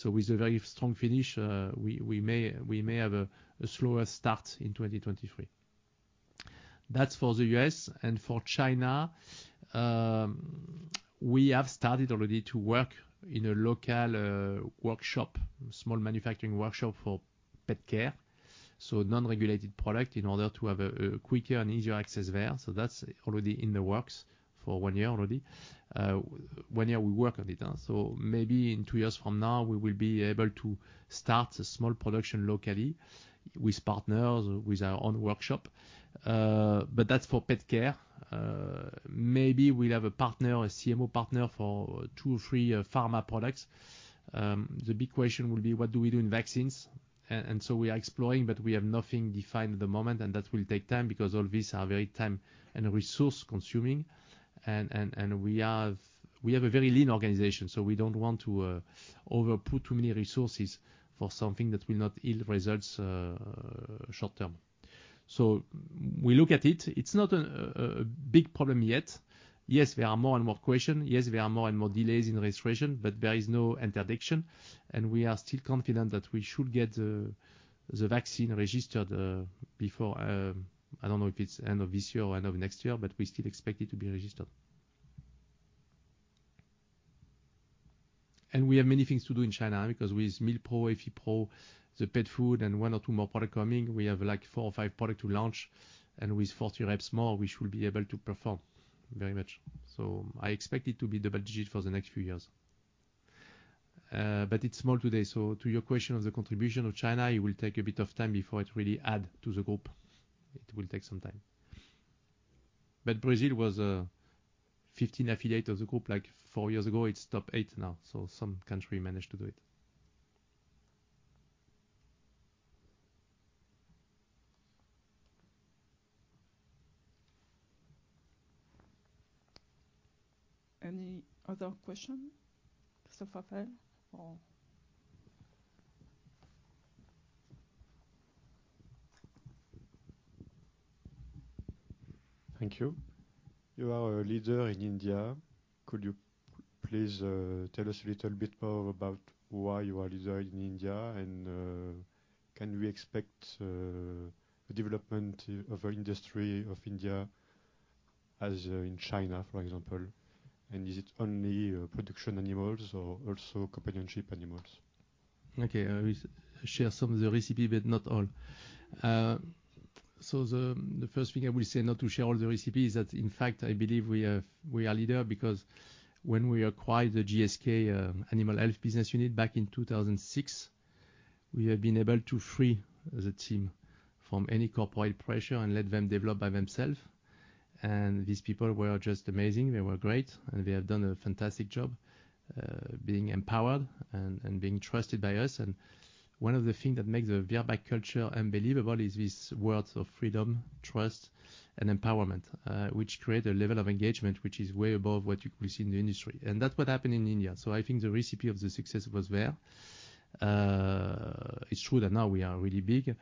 With a very strong finish, we may have a slower start in 2023. That's for the U.S. For China, we have started already to work in a local workshop, small manufacturing workshop for pet care, so non-regulated product in order to have a quicker and easier access there. That's already in the works for one year already. One year we work on it. Maybe in two years from now we will be able to start a small production locally with partners, with our own workshop. That's for pet care. Maybe we'll have a partner, a CMO partner for two or three pharma products. The big question will be: What do we do in vaccines? We are exploring, but we have nothing defined at the moment, and that will take time because all these are very time and resource consuming. We have a very lean organization, so we don't want to over put too many resources for something that will not yield results short term. We look at it. It's not a big problem yet. Yes, there are more and more questions. Yes, there are more and more delays in registration, but there is no interdiction, and we are still confident that we should get the vaccine registered before I don't know if it's end of this year or end of next year, but we still expect it to be registered. We have many things to do in China because with Milpro, AffiPro, the pet food, and 1 or 2 more products coming, we have like 4 or 5 products to launch. With 40 reps more, we should be able to perform very much. I expect it to be double-digit for the next few years. It's small today. To your question of the contribution of China, it will take a bit of time before it really add to the group. It will take some time. Brazil was 15 affiliate of the group like 4 years ago. It's top 8 now. Some country managed to do it. Any other question? Christopher Pell or... Thank you. You are a leader in India. Could you please tell us a little bit more about why you are leader in India, and can we expect the development of our industry of India as in China, for example? Is it only production animals or also companionship animals? Okay. I will share some of the recipe, but not all. The first thing I will say not to share all the recipe is that in fact, I believe we are leader because when we acquired the GSK Animal Health business unit back in 2006, we have been able to free the team from any corporate pressure and let them develop by themself. These people were just amazing. They were great, and they have done a fantastic job being empowered and being trusted by us. One of the thing that makes the Virbac culture unbelievable is this words of freedom, trust, and empowerment, which create a level of engagement which is way above what you could see in the industry. That's what happened in India. I think the recipe of the success was there. It's true that now we are really big.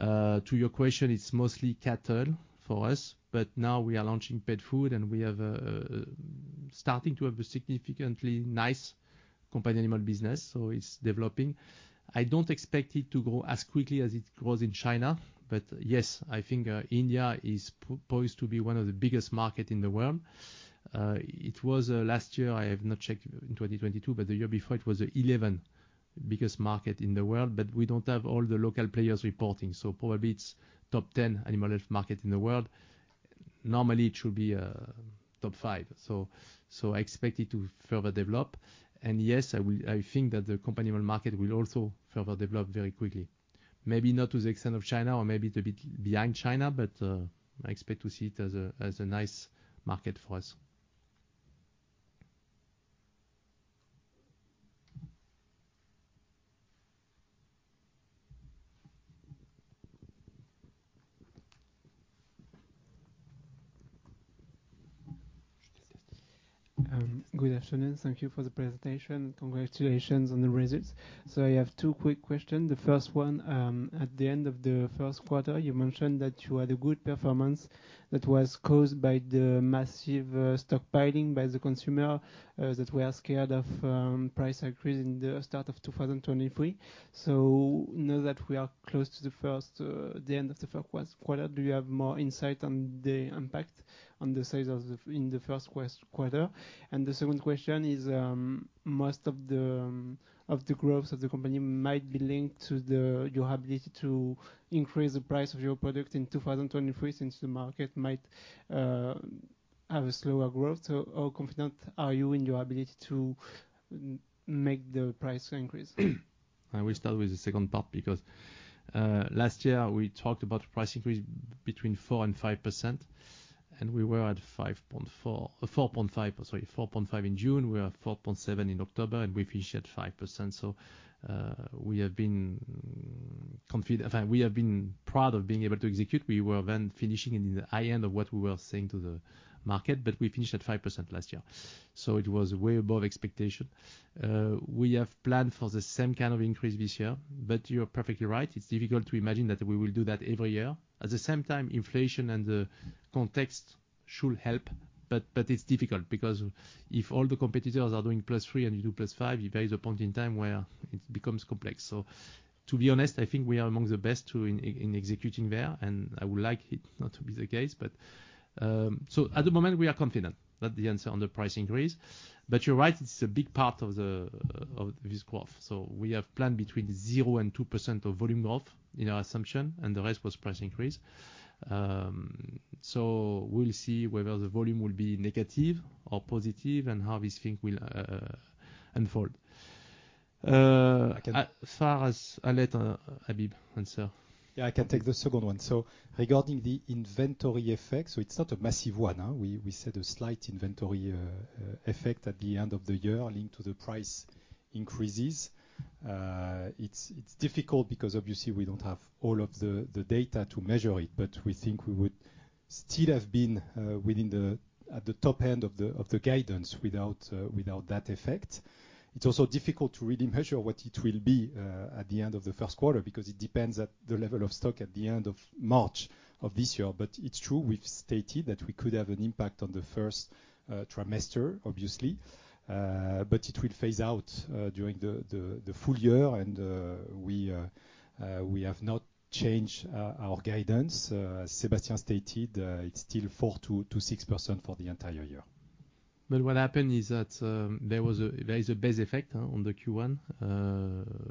To your question, it's mostly cattle for us, but now we are launching pet food, and we have starting to have a significantly nice companion animal business, so it's developing. I don't expect it to grow as quickly as it grows in China. Yes, I think India is posed to be one of the biggest market in the world. It was last year, I have not checked in 2022, but the year before it was 11th biggest market in the world, but we don't have all the local players reporting, so probably it's top 10 animal health market in the world. Normally, it should be top 5. I expect it to further develop. Yes, I think that the companion animal market will also further develop very quickly. Maybe not to the extent of China or maybe a bit behind China, but I expect to see it as a, as a nice market for us. Good afternoon. Thank you for the presentation. Congratulations on the results. I have two quick question. The first one, at the end of the Q1, you mentioned that you had a good performance that was caused by the massive stockpiling by the consumer that were scared of price increase in the start of 2023. Now that we are close to the end of the Q1, do you have more insight on the impact on the sales in the Q1? The second question is, most of the growth of the company might be linked to your ability to increase the price of your product in 2023, since the market might have a slower growth. How confident are you in your ability to make the price increase? I will start with the second part because, last year we talked about price increase between 4% and 5%. We were at 4.5% in June. We are 4.7% in October. We finished at 5%. In fact, we have been proud of being able to execute. We were then finishing in the high end of what we were saying to the market. We finished at 5% last year. It was way above expectation. We have planned for the same kind of increase this year, you're perfectly right. It's difficult to imagine that we will do that every year. At the same time, inflation and the context should help, but it's difficult because if all the competitors are doing +3% and you do +5%, you reach the point in time where it becomes complex. To be honest, I think we are among the best to in executing there, and I would like it not to be the case. At the moment we are confident. That's the answer on the price increase. But you're right, it's a big part of the of this growth. We have planned between 0%-2% of volume growth in our assumption, and the rest was price increase. We'll see whether the volume will be negative or positive and how this thing will unfold. I can- As far as Habib answer. Yeah, I can take the second one. Regarding the inventory effect, so it's not a massive one. We said a slight inventory effect at the end of the year linked to the price increases. It's difficult because obviously we don't have all of the data to measure it, but we think we would still have been at the top end of the guidance without that effect. It's also difficult to really measure what it will be at the end of the Q1, because it depends at the level of stock at the end of March of this year. It's true, we've stated that we could have an impact on the first trimester, obviously. It will phase out during the full year and we have not changed our guidance. Sébastien stated, it's still 4% to 6% for the entire year. What happened is that there is a base effect on the Q1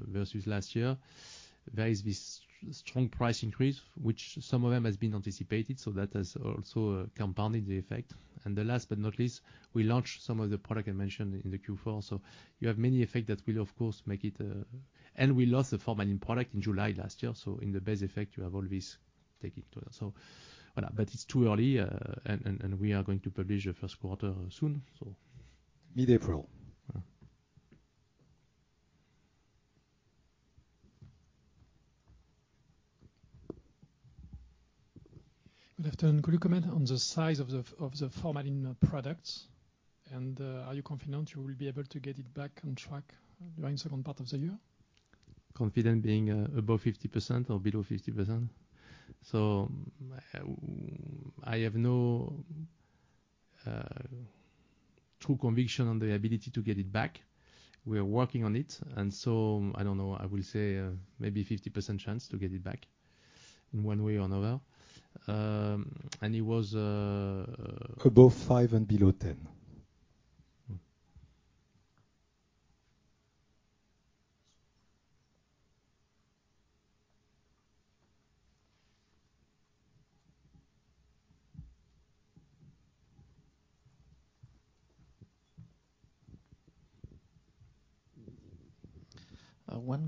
versus last year. There is this strong price increase, which some of them has been anticipated, that has also compounded the effect. The last but not least, we launched some of the product I mentioned in the Q4. You have many effect that will of course make it. We lost the formatting product in July last year. In the base effect, you have all this taking to that. Voilà. It's too early, we are going to publish the Q1 soon. Mid-April. Good afternoon. Could you comment on the size of the florfenicol products? Are you confident you will be able to get it back on track during second part of the year? Confident being, above 50% or below 50%? I have no true conviction on the ability to get it back. We are working on it, I don't know, I will say, maybe 50% chance to get it back in one way or another. Above five and below 10.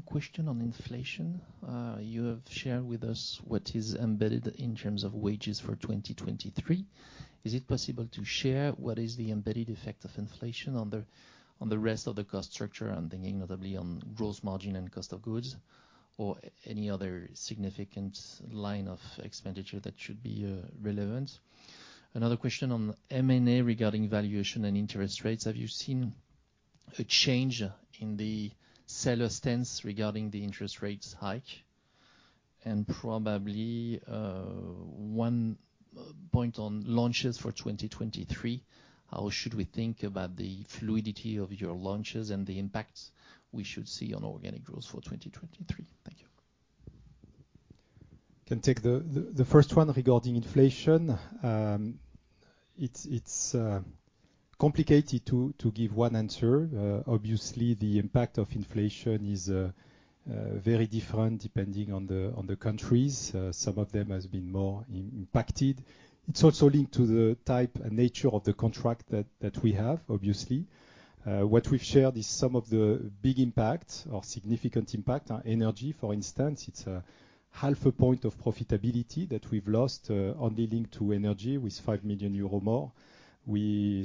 One question on inflation. You have shared with us what is embedded in terms of wages for 2023. Is it possible to share what is the embedded effect of inflation on the rest of the cost structure? I'm thinking notably on gross margin and cost of goods or any other significant line of expenditure that should be relevant. Another question on M&A regarding valuation and interest rates. Have you seen a change in the seller stance regarding the interest rates hike? Probably one point on launches for 2023. How should we think about the fluidity of your launches and the impacts we should see on organic growth for 2023? Thank you. Can take the first one regarding inflation. It's complicated to give one answer. Obviously, the impact of inflation is very different depending on the countries. Some of them has been more impacted. It's also linked to the type and nature of the contract that we have, obviously. What we've shared is some of the big impact or significant impact on energy. For instance, it's half a point of profitability that we've lost only linked to energy with 5 million euro more.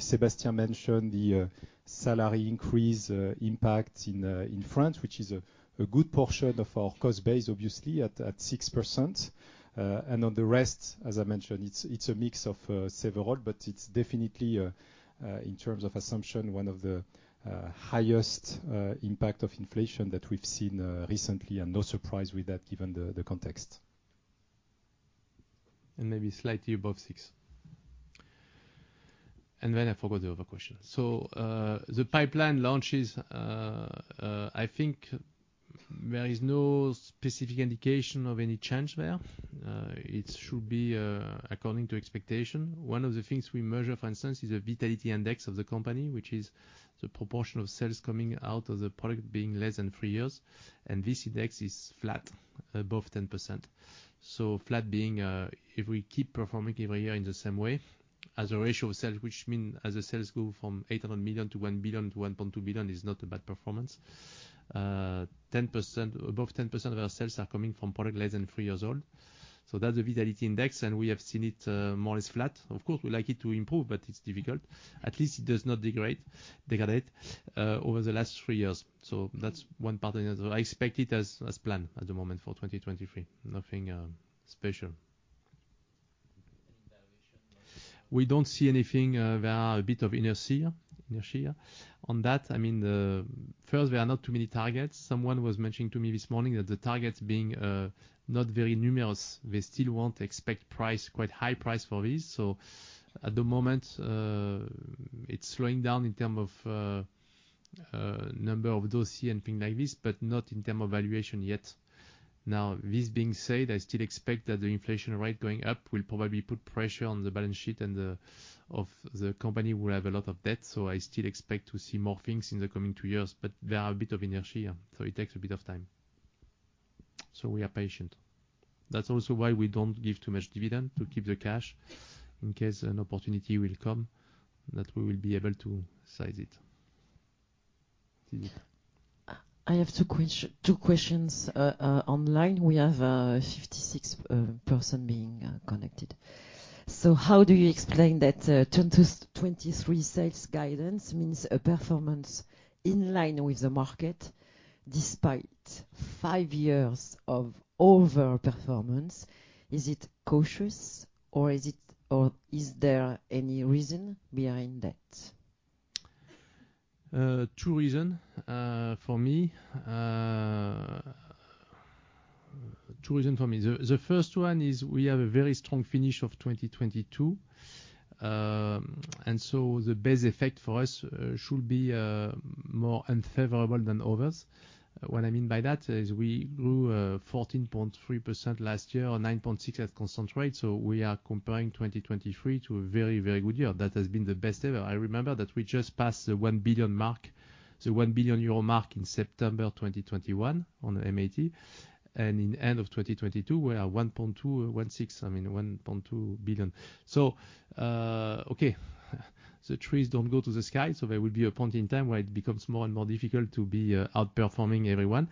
Sébastien mentioned the salary increase impact in France, which is a good portion of our cost base, obviously, at 6%. On the rest, as I mentioned, it's a mix of several, but it's definitely a in terms of assumption, one of the highest impact of inflation that we've seen recently. No surprise with that given the context. Maybe slightly above 6. I forgot the other question. The pipeline launches, I think there is no specific indication of any change there. It should be according to expectation. One of the things we measure, for instance, is the vitality index of the company, which is the proportion of sales coming out of the product being less than 3 years, and this index is flat, above 10%. Flat being, if we keep performing every year in the same way as a ratio of sales, which mean as the sales go from 800 million to 1 billion to 1.2 billion is not a bad performance. Above 10% of our sales are coming from product less than 3 years old. That's the vitality index, and we have seen it more as flat. Of course, we like it to improve, but it's difficult. At least it does not degrade over the last three years. That's one part. I expect it as planned at the moment for 2023. Nothing special. Valuation. We don't see anything. There are a bit of inertia on that. I mean, First, there are not too many targets. Someone was mentioning to me this morning that the targets being not very numerous, they still won't expect price, quite high price for this. At the moment, it's slowing down in term of number of dossier and things like this, but not in term of valuation yet. This being said, I still expect that the inflation rate going up will probably put pressure on the balance sheet and of the company will have a lot of debt. I still expect to see more things in the coming two years. There are a bit of inertia, so it takes a bit of time. We are patient. That's also why we don't give too much dividend, to keep the cash in case an opportunity will come that we will be able to seize it. Sandrine. I have two questions. Online, we have 56 person being connected. How do you explain that 2023 sales guidance means a performance in line with the market despite 5 years of overperformance? Is it cautious or is there any reason behind that? Two reasons for me. The first one is we have a very strong finish of 2022. The base effect for us should be more unfavorable than others. What I mean by that is we grew 14.3% last year or 9.6% at constant rate. We are comparing 2023 to a very good year. That has been the best ever. I remember that we just passed the 1 billion mark, the 1 billion euro mark in September 2021 on the MAT, and in end of 2022, we are 1.216 billion, I mean, 1.2 billion. Okay. The trees don't go to the sky, there will be a point in time where it becomes more and more difficult to be outperforming everyone.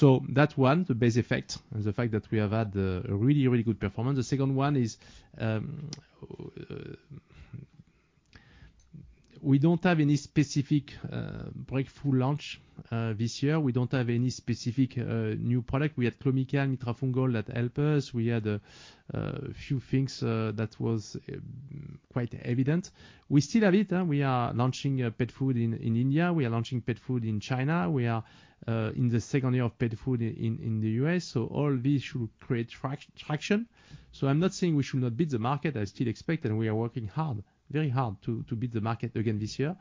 That one, the base effect, and the fact that we have had a really, really good performance. The second one is, we don't have any specific breakthrough launch this year. We don't have any specific new product. We had Clomicalm, Itrafungol that help us. We had a few things that was quite evident. We still have it, we are launching pet food in India. We are launching pet food in China. We are in the second year of pet food in the US. All this should create traction. I'm not saying we should not beat the market. I still expect that we are working hard, very hard to beat the market again this year.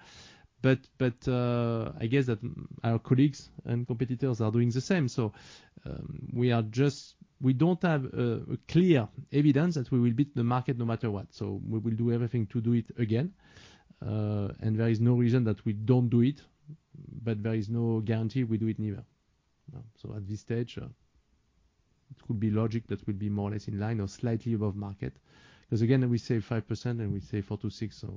I guess that our colleagues and competitors are doing the same. We don't have a clear evidence that we will beat the market no matter what. We will do everything to do it again, and there is no reason that we don't do it, but there is no guarantee we do it neither. At this stage, it could be logic that we'll be more or less in line or slightly above market. 'Cause again, we say 5% and we say 4%-6%, so.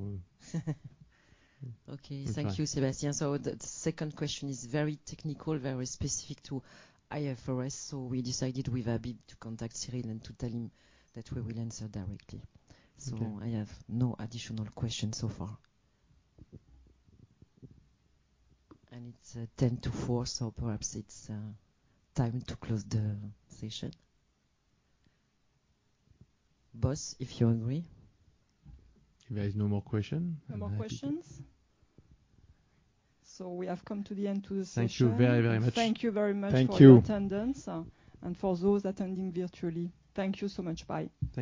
Okay. Thank you, Sébastien. The second question is very technical, very specific to IFRS. We decided with Habib to contact Cyril and to tell him that we will answer directly. Okay. I have no additional questions so far. It's 10 to 4, so perhaps it's time to close the session. Boss, if you agree. If there is no more question. No more questions. We have come to the end to the session. Thank you very, very much. Thank you very much. Thank you. -for your attendance, and for those attending virtually. Thank you so much. Bye.